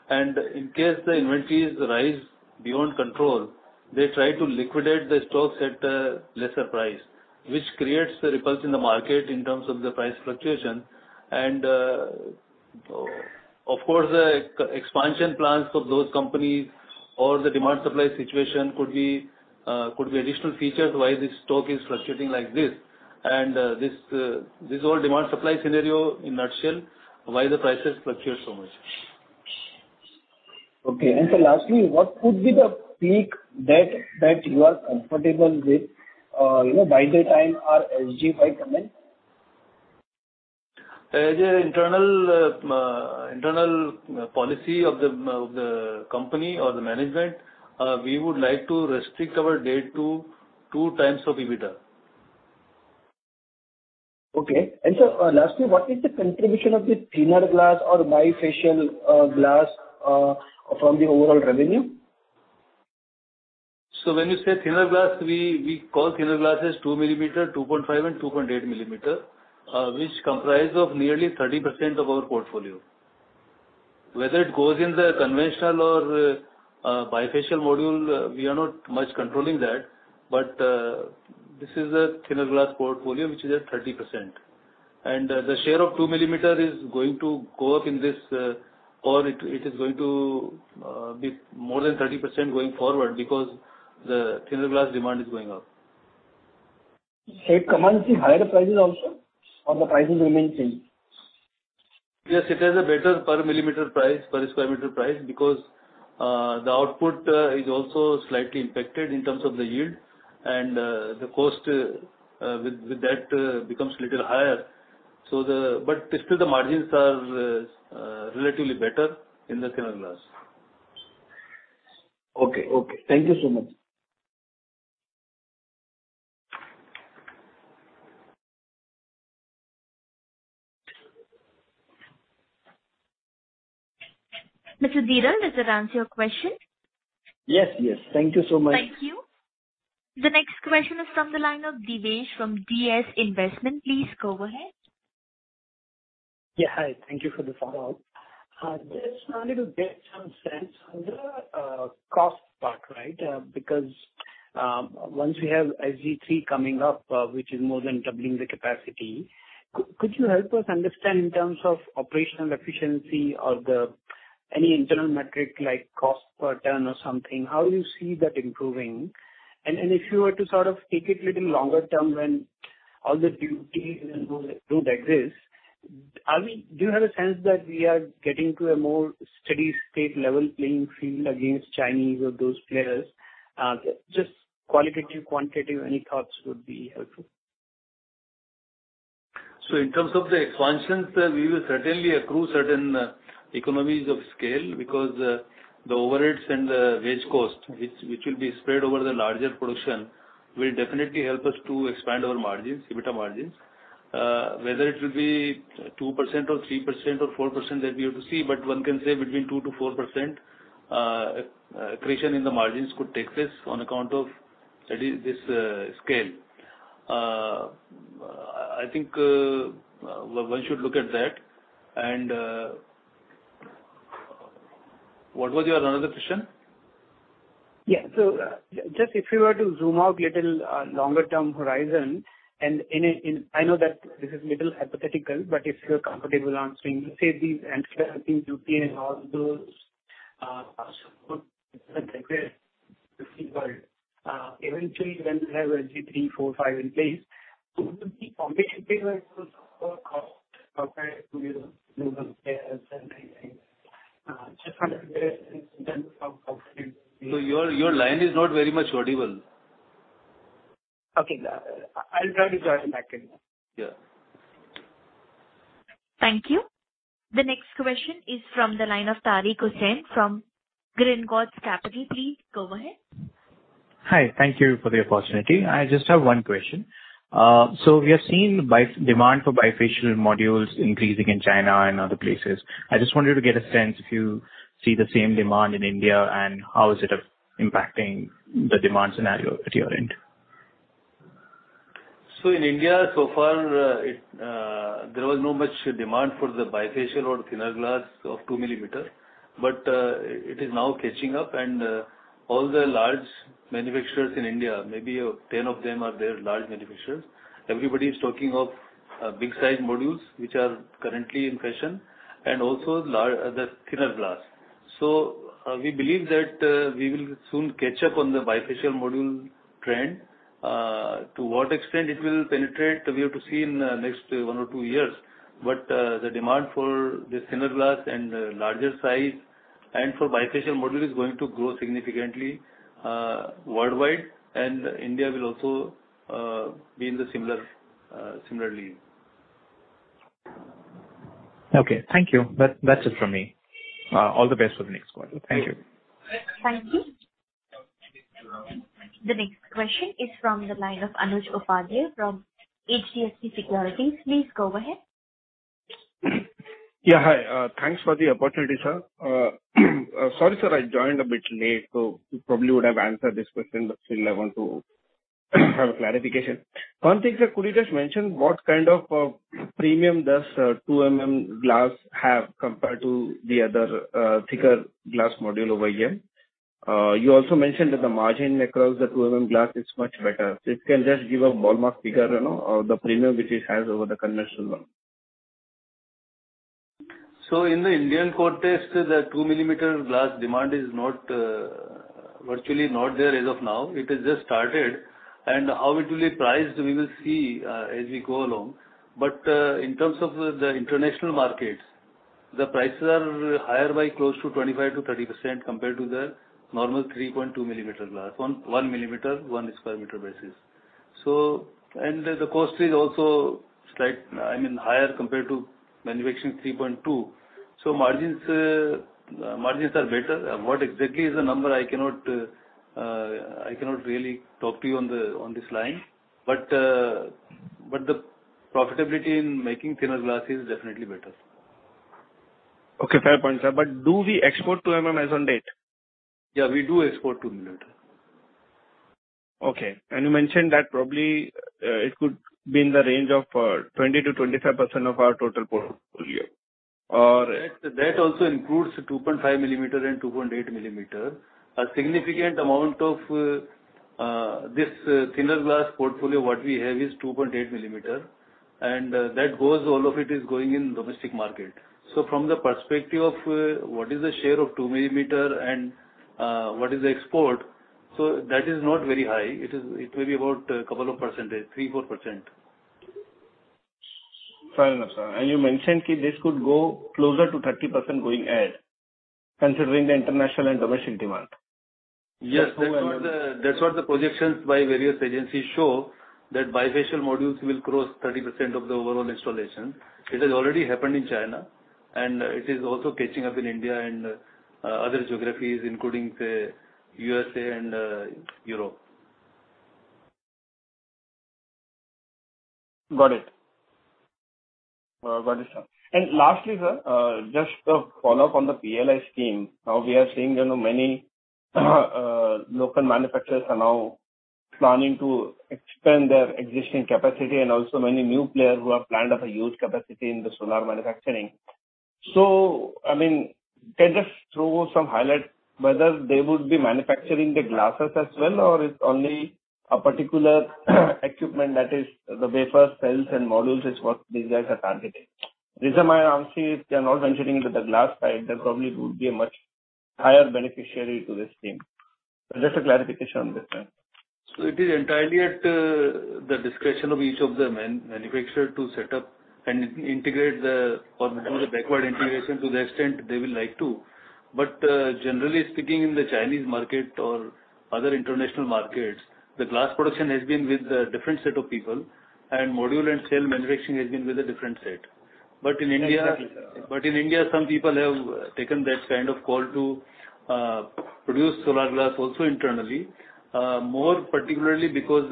In case the inventories rise beyond control, they try to liquidate the stocks at a lesser price, which creates the ripples in the market in terms of the price fluctuation. Of course, the expansion plans of those companies or the demand supply situation could be additional features why this stock is fluctuating like this. This whole demand supply scenario in a nutshell why the prices fluctuate so much. Okay. Lastly, what could be the peak debt that you are comfortable with, you know, by the time our SG-5 comes? As an internal policy of the company or the management, we would like to restrict our debt to 2x of EBITDA. Okay. Lastly, what is the contribution of the thinner glass or bifacial glass from the overall revenue? When you say thinner glass, we call thinner glasses 2 mm, 2.5 mm and 2.8 mm, which comprise nearly 30% of our portfolio. Whether it goes in the conventional or bifacial module, we are not much controlling that, but this is a thinner glass portfolio which is at 30%. The share of 2 mm is going to go up in this or it is going to be more than 30% going forward because the thinner glass demand is going up. It commands the higher prices also, or the prices remain same? Yes, it has a better per millimeter price, per square meter price because the output is also slightly impacted in terms of the yield and the cost with that becomes a little higher. Still the margins are relatively better in the thinner glass. Okay. Thank you so much. Mr. Dhiral, does that answer your question? Yes. Yes. Thank you so much. Thank you. The next question is from the line of Devesh from DS Investment. Please go ahead. Yeah, hi. Thank you for the follow-up. Just wanted to get some sense on the cost part, right? Because once we have SG-3 coming up, which is more than doubling the capacity, could you help us understand in terms of operational efficiency or any internal metric like cost per ton or something, how you see that improving? And if you were to sort of take it a little longer term when all the duties and those do exist, do you have a sense that we are getting to a more steady state level playing field against Chinese or those players? Just qualitative, quantitative, any thoughts would be helpful. In terms of the expansions, we will certainly accrue certain economies of scale because the overheads and the wage cost which will be spread over the larger production will definitely help us to expand our margins, EBITDA margins. Whether it will be 2% or 3% or 4% that we have to see, but one can say between 2%-4% accretion in the margins could take place on account of at least this scale. I think one should look at that. What was your other question? Yeah. Just if you were to zoom out a little longer term horizon, I know that this is a little hypothetical, but if you're comfortable answering, let's say these anti-dumping duties and all those eventually when we have SG-3, SG-4, SG-5 in place. Your line is not very audible. Okay. I'll try to join back in. Yeah. Thank you. The next question is from the line of Tariq Hussain from Greenwoods Capital. Please go ahead. Hi. Thank you for the opportunity. I just have one question. We have seen demand for bifacial modules increasing in China and other places. I just wanted to get a sense if you see the same demand in India and how is it impacting the demand scenario at your end. In India so far, there was not much demand for the bifacial or thinner glass of 2 mm, but it is now catching up and all the large manufacturers in India, maybe 10 of them are there, large manufacturers. Everybody is talking of big sized modules which are currently in fashion and also the thinner glass. We believe that we will soon catch up on the bifacial module trend. To what extent it will penetrate, we have to see in next one or two years. But the demand for the thinner glass and larger size and for bifacial module is going to grow significantly worldwide, and India will also be in the similar, similarly. Okay. Thank you. That's it from me. All the best for the next quarter. Thank you. Thank you. The next question is from the line of Anuj Upadhyay from HDFC Securities. Please go ahead. Yeah. Hi. Thanks for the opportunity, sir. Sorry, sir, I joined a bit late, so you probably would have answered this question, but still I want to have a clarification. One thing, sir, could you just mention what kind of premium does 2 mm glass have compared to the other thicker glass module over here? You also mentioned that the margin across the 2 mm glass is much better. If you can just give a ballpark figure, you know, of the premium which it has over the conventional one. In the Indian context, the 2 mm glass demand is virtually not there as of now. It has just started. How it will be priced, we will see, as we go along. In terms of the international markets, the prices are higher by close to 25%-30% compared to the normal 3.2 mm glass. 1 mm 1 sq m basis. The cost is also slightly, I mean, higher compared to manufacturing 3.2. Margins are better. What exactly is the number? I cannot really talk to you on this line. The profitability in making thinner glass is definitely better. Okay. Fair point, sir. Do we export 2 mm as on date? Yeah, we do export 2 mm. Okay. You mentioned that probably it could be in the range of 20%-25% of our total portfolio. Or- That also includes 2.5 mm and 2.8 mm. A significant amount of this thinner glass portfolio, what we have is 2.8 mm, and that goes all of it is going in domestic market. From the perspective of what is the share of 2 mm and what is the export, that is not very high. It will be about a couple of percentage, 3%, 4%. Fair enough, sir. You mentioned this could go closer to 30% going ahead, considering the international and domestic demand. Yes. That's what the projections by various agencies show, that bifacial modules will cross 30% of the overall installation. It has already happened in China, and it is also catching up in India and other geographies, including, say, USA and Europe. Got it, sir. Lastly, sir, just a follow-up on the PLI scheme. Now we are seeing, you know, many local manufacturers are now planning to expand their existing capacity and also many new players who have planned up a huge capacity in the solar manufacturing. I mean, can you just throw some highlight whether they would be manufacturing the glasses as well, or it's only a particular equipment that is the wafer cells and modules is what these guys are targeting? Reason why I ask is they are not venturing into the glass side, that probably would be a much higher beneficiary to this scheme. Just a clarification on this, sir. It is entirely at the discretion of each of the manufacturer to set up and integrate the or do the backward integration to the extent they will like to. Generally speaking, in the Chinese market or other international markets, the glass production has been with a different set of people, and module and cell manufacturing has been with a different set. In India- Exactly, sir. In India, some people have taken that kind of call to produce solar glass also internally, more particularly because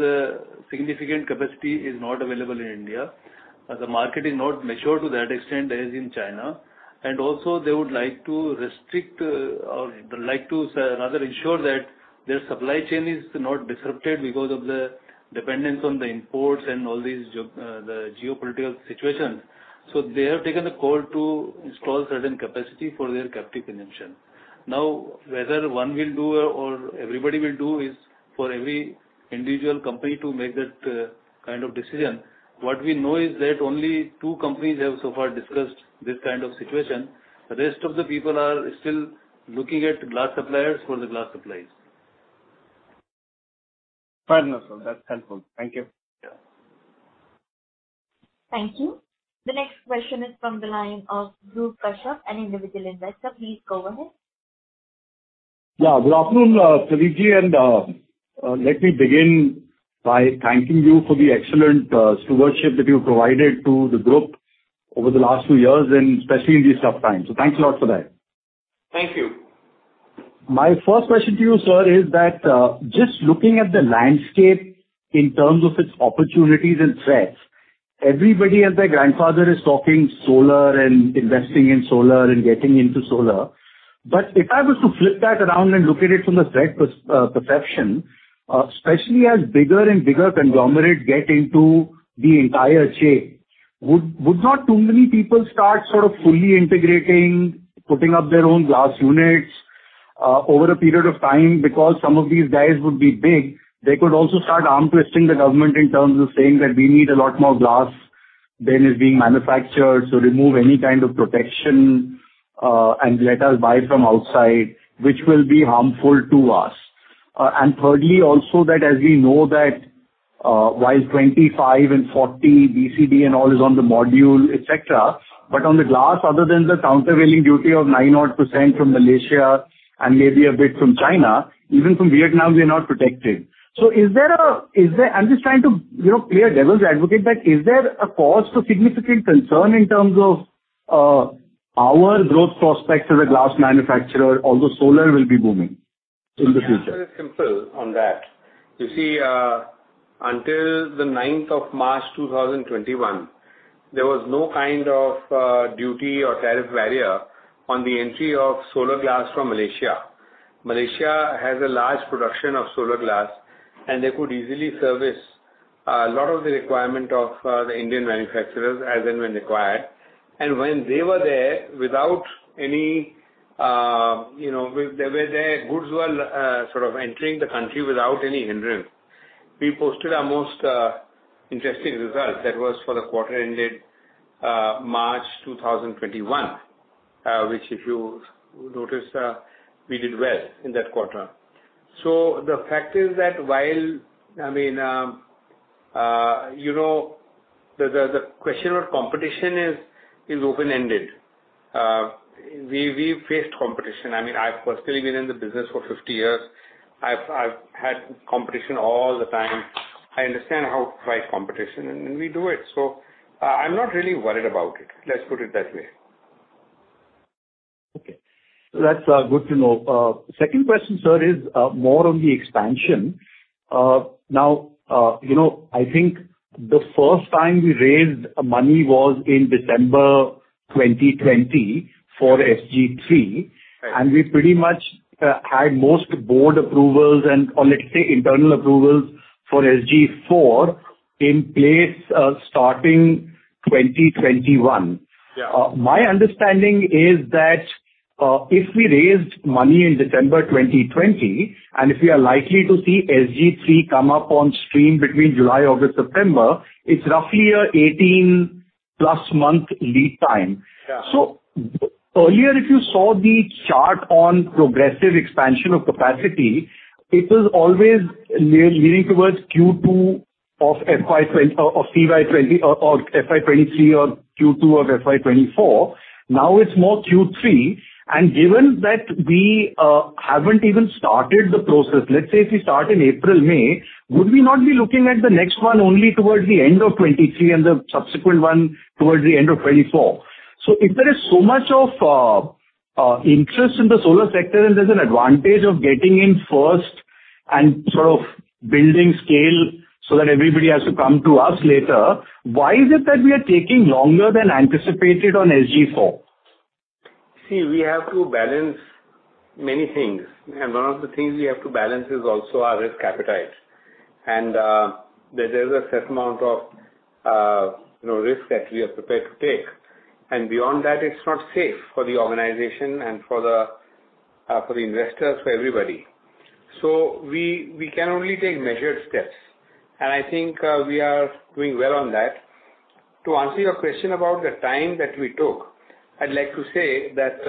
significant capacity is not available in India. The market is not mature to that extent as in China. Also they would like to restrict, or like to rather ensure that their supply chain is not disrupted because of the dependence on the imports and all these geo, the geopolitical situation. They have taken the call to install certain capacity for their captive consumption. Now, whether one will do or everybody will do is for every individual company to make that kind of decision. What we know is that only two companies have so far discussed this kind of situation. The rest of the people are still looking at glass suppliers for the glass supplies. Fair enough, sir. That's helpful. Thank you. Yeah. Thank you. The next question is from the line of Dhruv Kashyap, an individual investor. Please go ahead. Yeah. Good afternoon, Pradeep ji, and let me begin by thanking you for the excellent stewardship that you provided to the group over the last few years and especially in these tough times. Thanks a lot for that. Thank you. My first question to you, sir, is that just looking at the landscape in terms of its opportunities and threats, everybody and their grandfather is talking solar and investing in solar and getting into solar. If I was to flip that around and look at it from a threat perception, especially as bigger and bigger conglomerates get into the entire chain, would not too many people start sort of fully integrating, putting up their own glass units over a period of time? Because some of these guys would be big, they could also start arm twisting the government in terms of saying that we need a lot more glass than is being manufactured, so remove any kind of protection and let us buy from outside, which will be harmful to us. Thirdly also that as we know that, while 25 and 40 BCD and all is on the module, etc., but on the glass, other than the countervailing duty of 9% from Malaysia and maybe a bit from China, even from Vietnam, we are not protected. Is there, I'm just trying to, you know, play a devil's advocate, but is there a cause for significant concern in terms of our growth prospects as a glass manufacturer, although solar will be booming? The answer is simple on that. You see, until the 9th of March 2021, there was no kind of duty or tariff barrier on the entry of solar glass from Malaysia. Malaysia has a large production of solar glass, and they could easily service a lot of the requirement of the Indian manufacturers as and when required. When they were there without any, you know, goods were sort of entering the country without any hindrance. We posted our most interesting result. That was for the quarter ended March 2021, which if you notice, we did well in that quarter. The fact is that while, I mean, you know, the question of competition is open-ended. We faced competition. I mean, I've personally been in the business for 50 years. I've had competition all the time. I understand how to fight competition, and we do it. I'm not really worried about it. Let's put it that way. Okay. That's good to know. Second question, sir, is more on the expansion. Now, you know, I think the first time we raised money was in December 2020 for SG-3. Right. We pretty much had most board approvals and, or let's say, internal approvals for SG4 in place starting 2021. Yeah. My understanding is that, if we raised money in December 2020, and if we are likely to see SG-3 come up on stream between July, August, September, it's roughly a 18+ month lead time. Yeah. Earlier, if you saw the chart on progressive expansion of capacity, it was always leading towards Q2 of FY 2023 or Q2 of FY 2024. Now it's more Q3. Given that we haven't even started the process, let's say if we start in April, May, would we not be looking at the next one only towards the end of 2023 and the subsequent one towards the end of 2024? If there is so much of interest in the solar sector and there's an advantage of getting in first and sort of building scale so that everybody has to come to us later, why is it that we are taking longer than anticipated on SG-4? See, we have to balance many things. One of the things we have to balance is also our risk appetite. There's a set amount of, you know, risk that we are prepared to take. Beyond that, it's not safe for the organization and for the investors, for everybody. We can only take measured steps, and I think, we are doing well on that. To answer your question about the time that we took, I'd like to say that,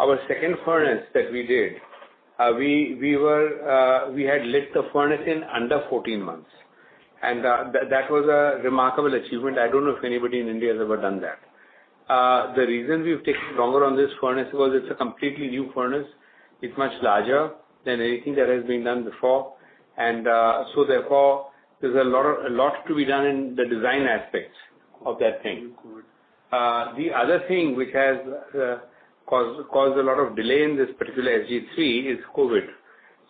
our second furnace that we did, we had lit the furnace in under 14 months, and that was a remarkable achievement. I don't know if anybody in India has ever done that. The reason we've taken longer on this furnace was it's a completely new furnace. It's much larger than anything that has been done before. Therefore, there's a lot to be done in the design aspects of that thing. Agreed. The other thing which has caused a lot of delay in this particular SG-3 is COVID.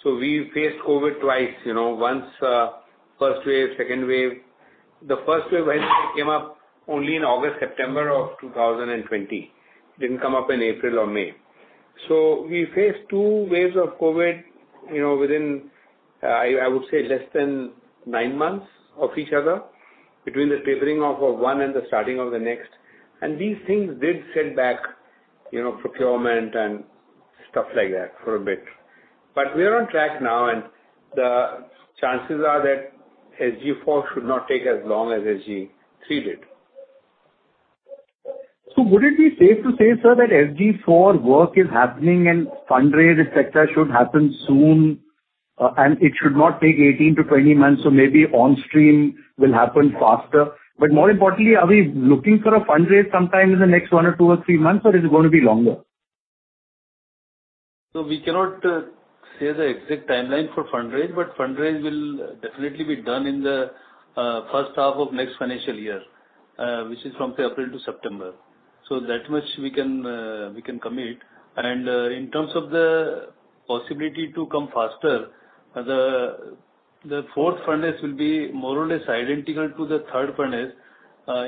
We faced COVID twice, you know, once, first wave, second wave. The first wave actually came up only in August, September of 2020. It didn't come up in April or May. We faced two waves of COVID, you know, within, I would say less than nine months of each other between the tapering off of one and the starting of the next. These things did set back, you know, procurement and stuff like that for a bit. We are on track now, and the chances are that SG-4 should not take as long as SG-3 did. Would it be safe to say, sir, that SG-4 work is happening and fundraise et cetera should happen soon, and it should not take 18-20 months, so maybe on stream will happen faster? More importantly, are we looking for a fundraise sometime in the next one or two or three months, or is it going to be longer? We cannot say the exact timeline for fundraise, but fundraise will definitely be done in the first half of next financial year, which is from, say, April to September. That much we can commit. In terms of the possibility to come faster, the fourth furnace will be more or less identical to the third furnace.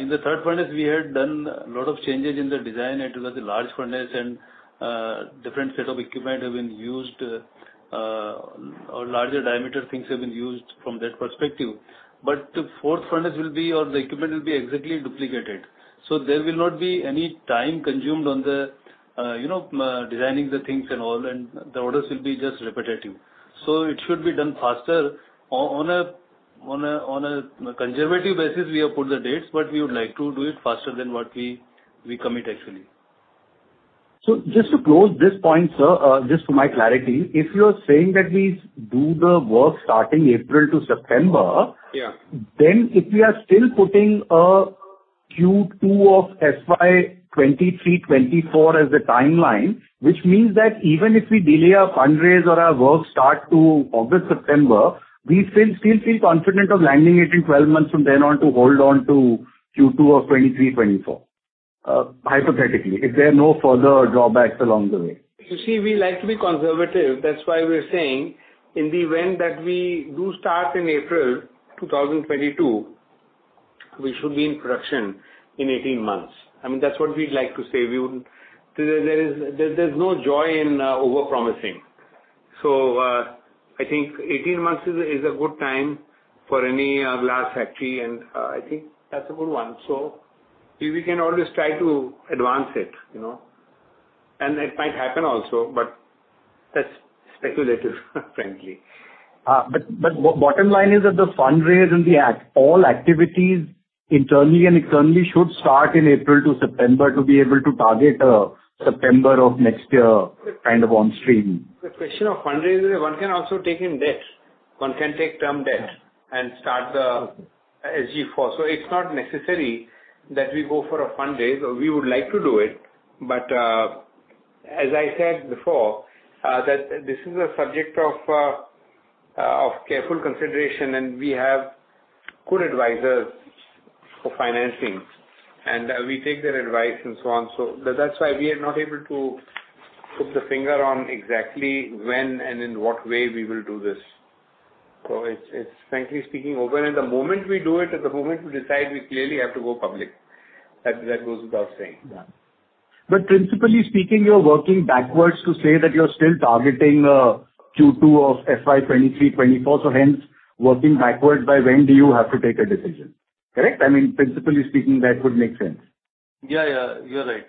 In the third furnace we had done a lot of changes in the design. It was a large furnace, and different set of equipment have been used. Or larger diameter things have been used from that perspective. But the fourth furnace will be or the equipment will be exactly duplicated. There will not be any time consumed on the you know designing the things and all, and the orders will be just repetitive. It should be done faster. On a conservative basis, we have put the dates, but we would like to do it faster than what we commit actually. Just to close this point, sir, just for my clarity, if you're saying that we do the work starting April to September? Yeah. If we are still putting a Q2 of FY 2023-2024 as the timeline, which means that even if we delay our fundraise or our work start to August, September, we still feel confident of landing it in 12 months from then on to hold on to Q2 of 2023-2024? Hypothetically, if there are no further drawbacks along the way. You see, we like to be conservative, that's why we're saying in the event that we do start in April 2022, we should be in production in 18 months. I mean, that's what we'd like to say. There's no joy in overpromising. I think 18 months is a good time for any glass factory, and I think that's a good one. We can always try to advance it, you know. It might happen also, but that's speculative frankly. Bottom line is that the fundraise and all activities internally and externally should start in April to September to be able to target September of next year kind of on stream. The question of fundraising, one can also take in debt. One can take term debt. Yeah. start the SG-4. It's not necessary that we go for a fundraise. We would like to do it, but, as I said before, that this is a subject of careful consideration, and we have good advisors for financing. We take their advice and so on. That's why we are not able to put the finger on exactly when and in what way we will do this. It's frankly speaking open. The moment we do it and the moment we decide, we clearly have to go public. That goes without saying. Yeah. Principally speaking, you're working backwards to say that you're still targeting Q2 of FY 2023-2024, so hence working backwards by when do you have to take a decision. Correct? I mean, principally speaking, that would make sense. Yeah, yeah, you're right.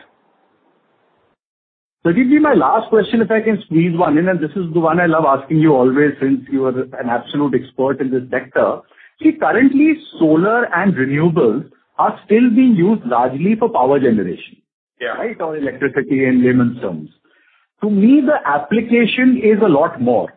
Prabir, my last question if I can squeeze one in, and this is the one I love asking you always since you are an absolute expert in this sector. See, currently solar and renewables are still being used largely for power generation. Yeah. Right? Or electricity in layman's terms. To me, the application is a lot more.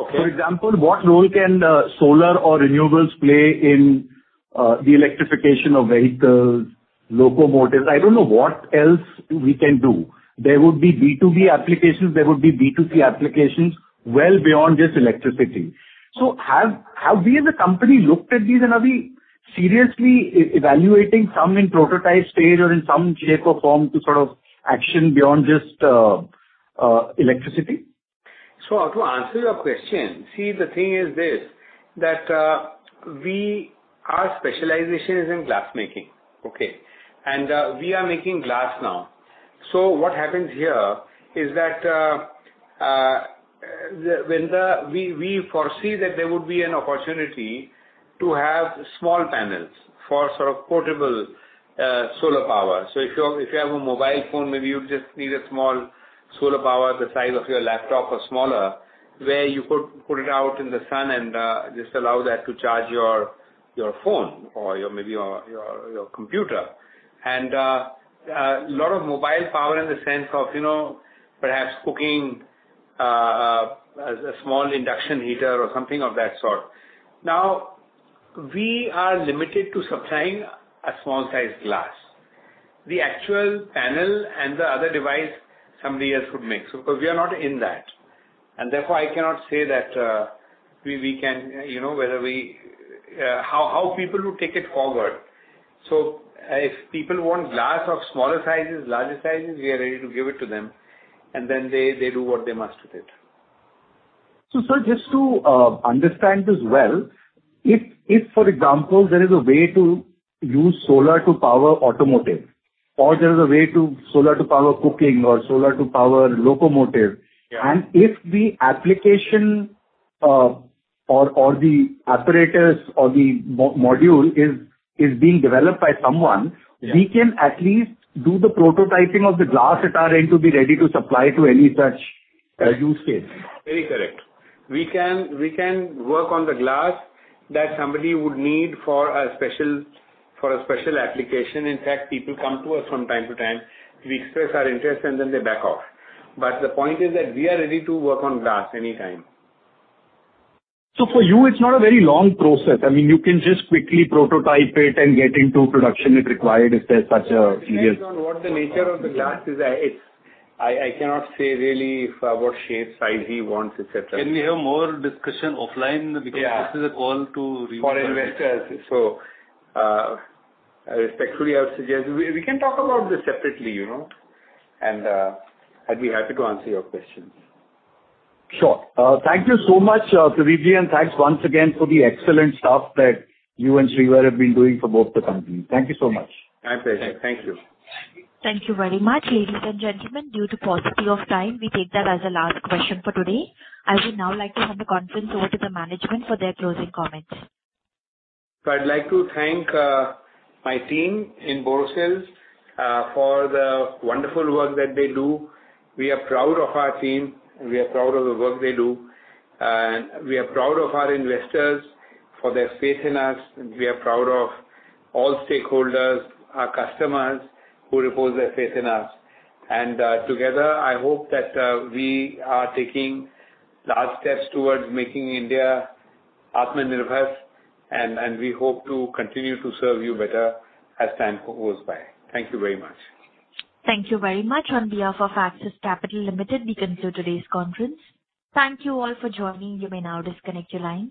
Okay. For example, what role can solar or renewables play in the electrification of vehicles, locomotives? I don't know what else we can do. There would be B2B applications, there would be B2C applications well beyond just electricity. Have we as a company looked at these and are we seriously evaluating some in prototype stage or in some shape or form to sort of act on beyond just electricity? To answer your question, see, the thing is this, that, our specialization is in glass making, okay? We are making glass now. What happens here is that, we foresee that there would be an opportunity to have small panels for sort of portable solar power. If you have a mobile phone, maybe you just need a small solar power the size of your laptop or smaller, where you put it out in the sun and just allow that to charge your phone or maybe your computer. A lot of mobile power in the sense of, you know, perhaps cooking a small induction heater or something of that sort. Now, we are limited to supplying a small sized glass. The actual panel and the other device, somebody else would make. We are not in that, and therefore I cannot say that we can, you know, how people would take it forward. If people want glass of smaller sizes, larger sizes, we are ready to give it to them, and then they do what they must with it. Sir, just to understand this well, if for example there is a way to use solar to power automotive or there is a way to solar to power cooking or solar to power locomotive. Yeah. if the application or the apparatus or the module is being developed by someone Yeah. We can at least do the prototyping of the glass at our end to be ready to supply to any such use case. Very correct. We can work on the glass that somebody would need for a special application. In fact, people come to us from time to time. We express our interest, and then they back off. The point is that we are ready to work on glass anytime. For you it's not a very long process. I mean, you can just quickly prototype it and get into production if required if there's such a use. Depends on what the nature of the glass is. I cannot say really if what shape, size he wants, et cetera. Can we have more discussion offline? Yeah. Because this is a call. For investors. Respectfully, I would suggest we can talk about this separately, you know, and I'd be happy to answer your questions. Sure. Thank you so much, Pradeep, and thanks once again for the excellent stuff that you and Shreevar have been doing for both the companies. Thank you so much. My pleasure. Thank you. Thank you very much, ladies and gentlemen. Due to paucity of time, we take that as the last question for today. I would now like to hand the conference over to the management for their closing comments. I'd like to thank my team in Borosil for the wonderful work that they do. We are proud of our team, and we are proud of the work they do. We are proud of our investors for their faith in us, and we are proud of all stakeholders, our customers who repose their faith in us. Together, I hope that we are taking large steps towards making India Atmanirbhar, and we hope to continue to serve you better as time goes by. Thank you very much. Thank you very much. On behalf of Axis Capital Limited, we conclude today's conference. Thank you all for joining. You may now disconnect your lines.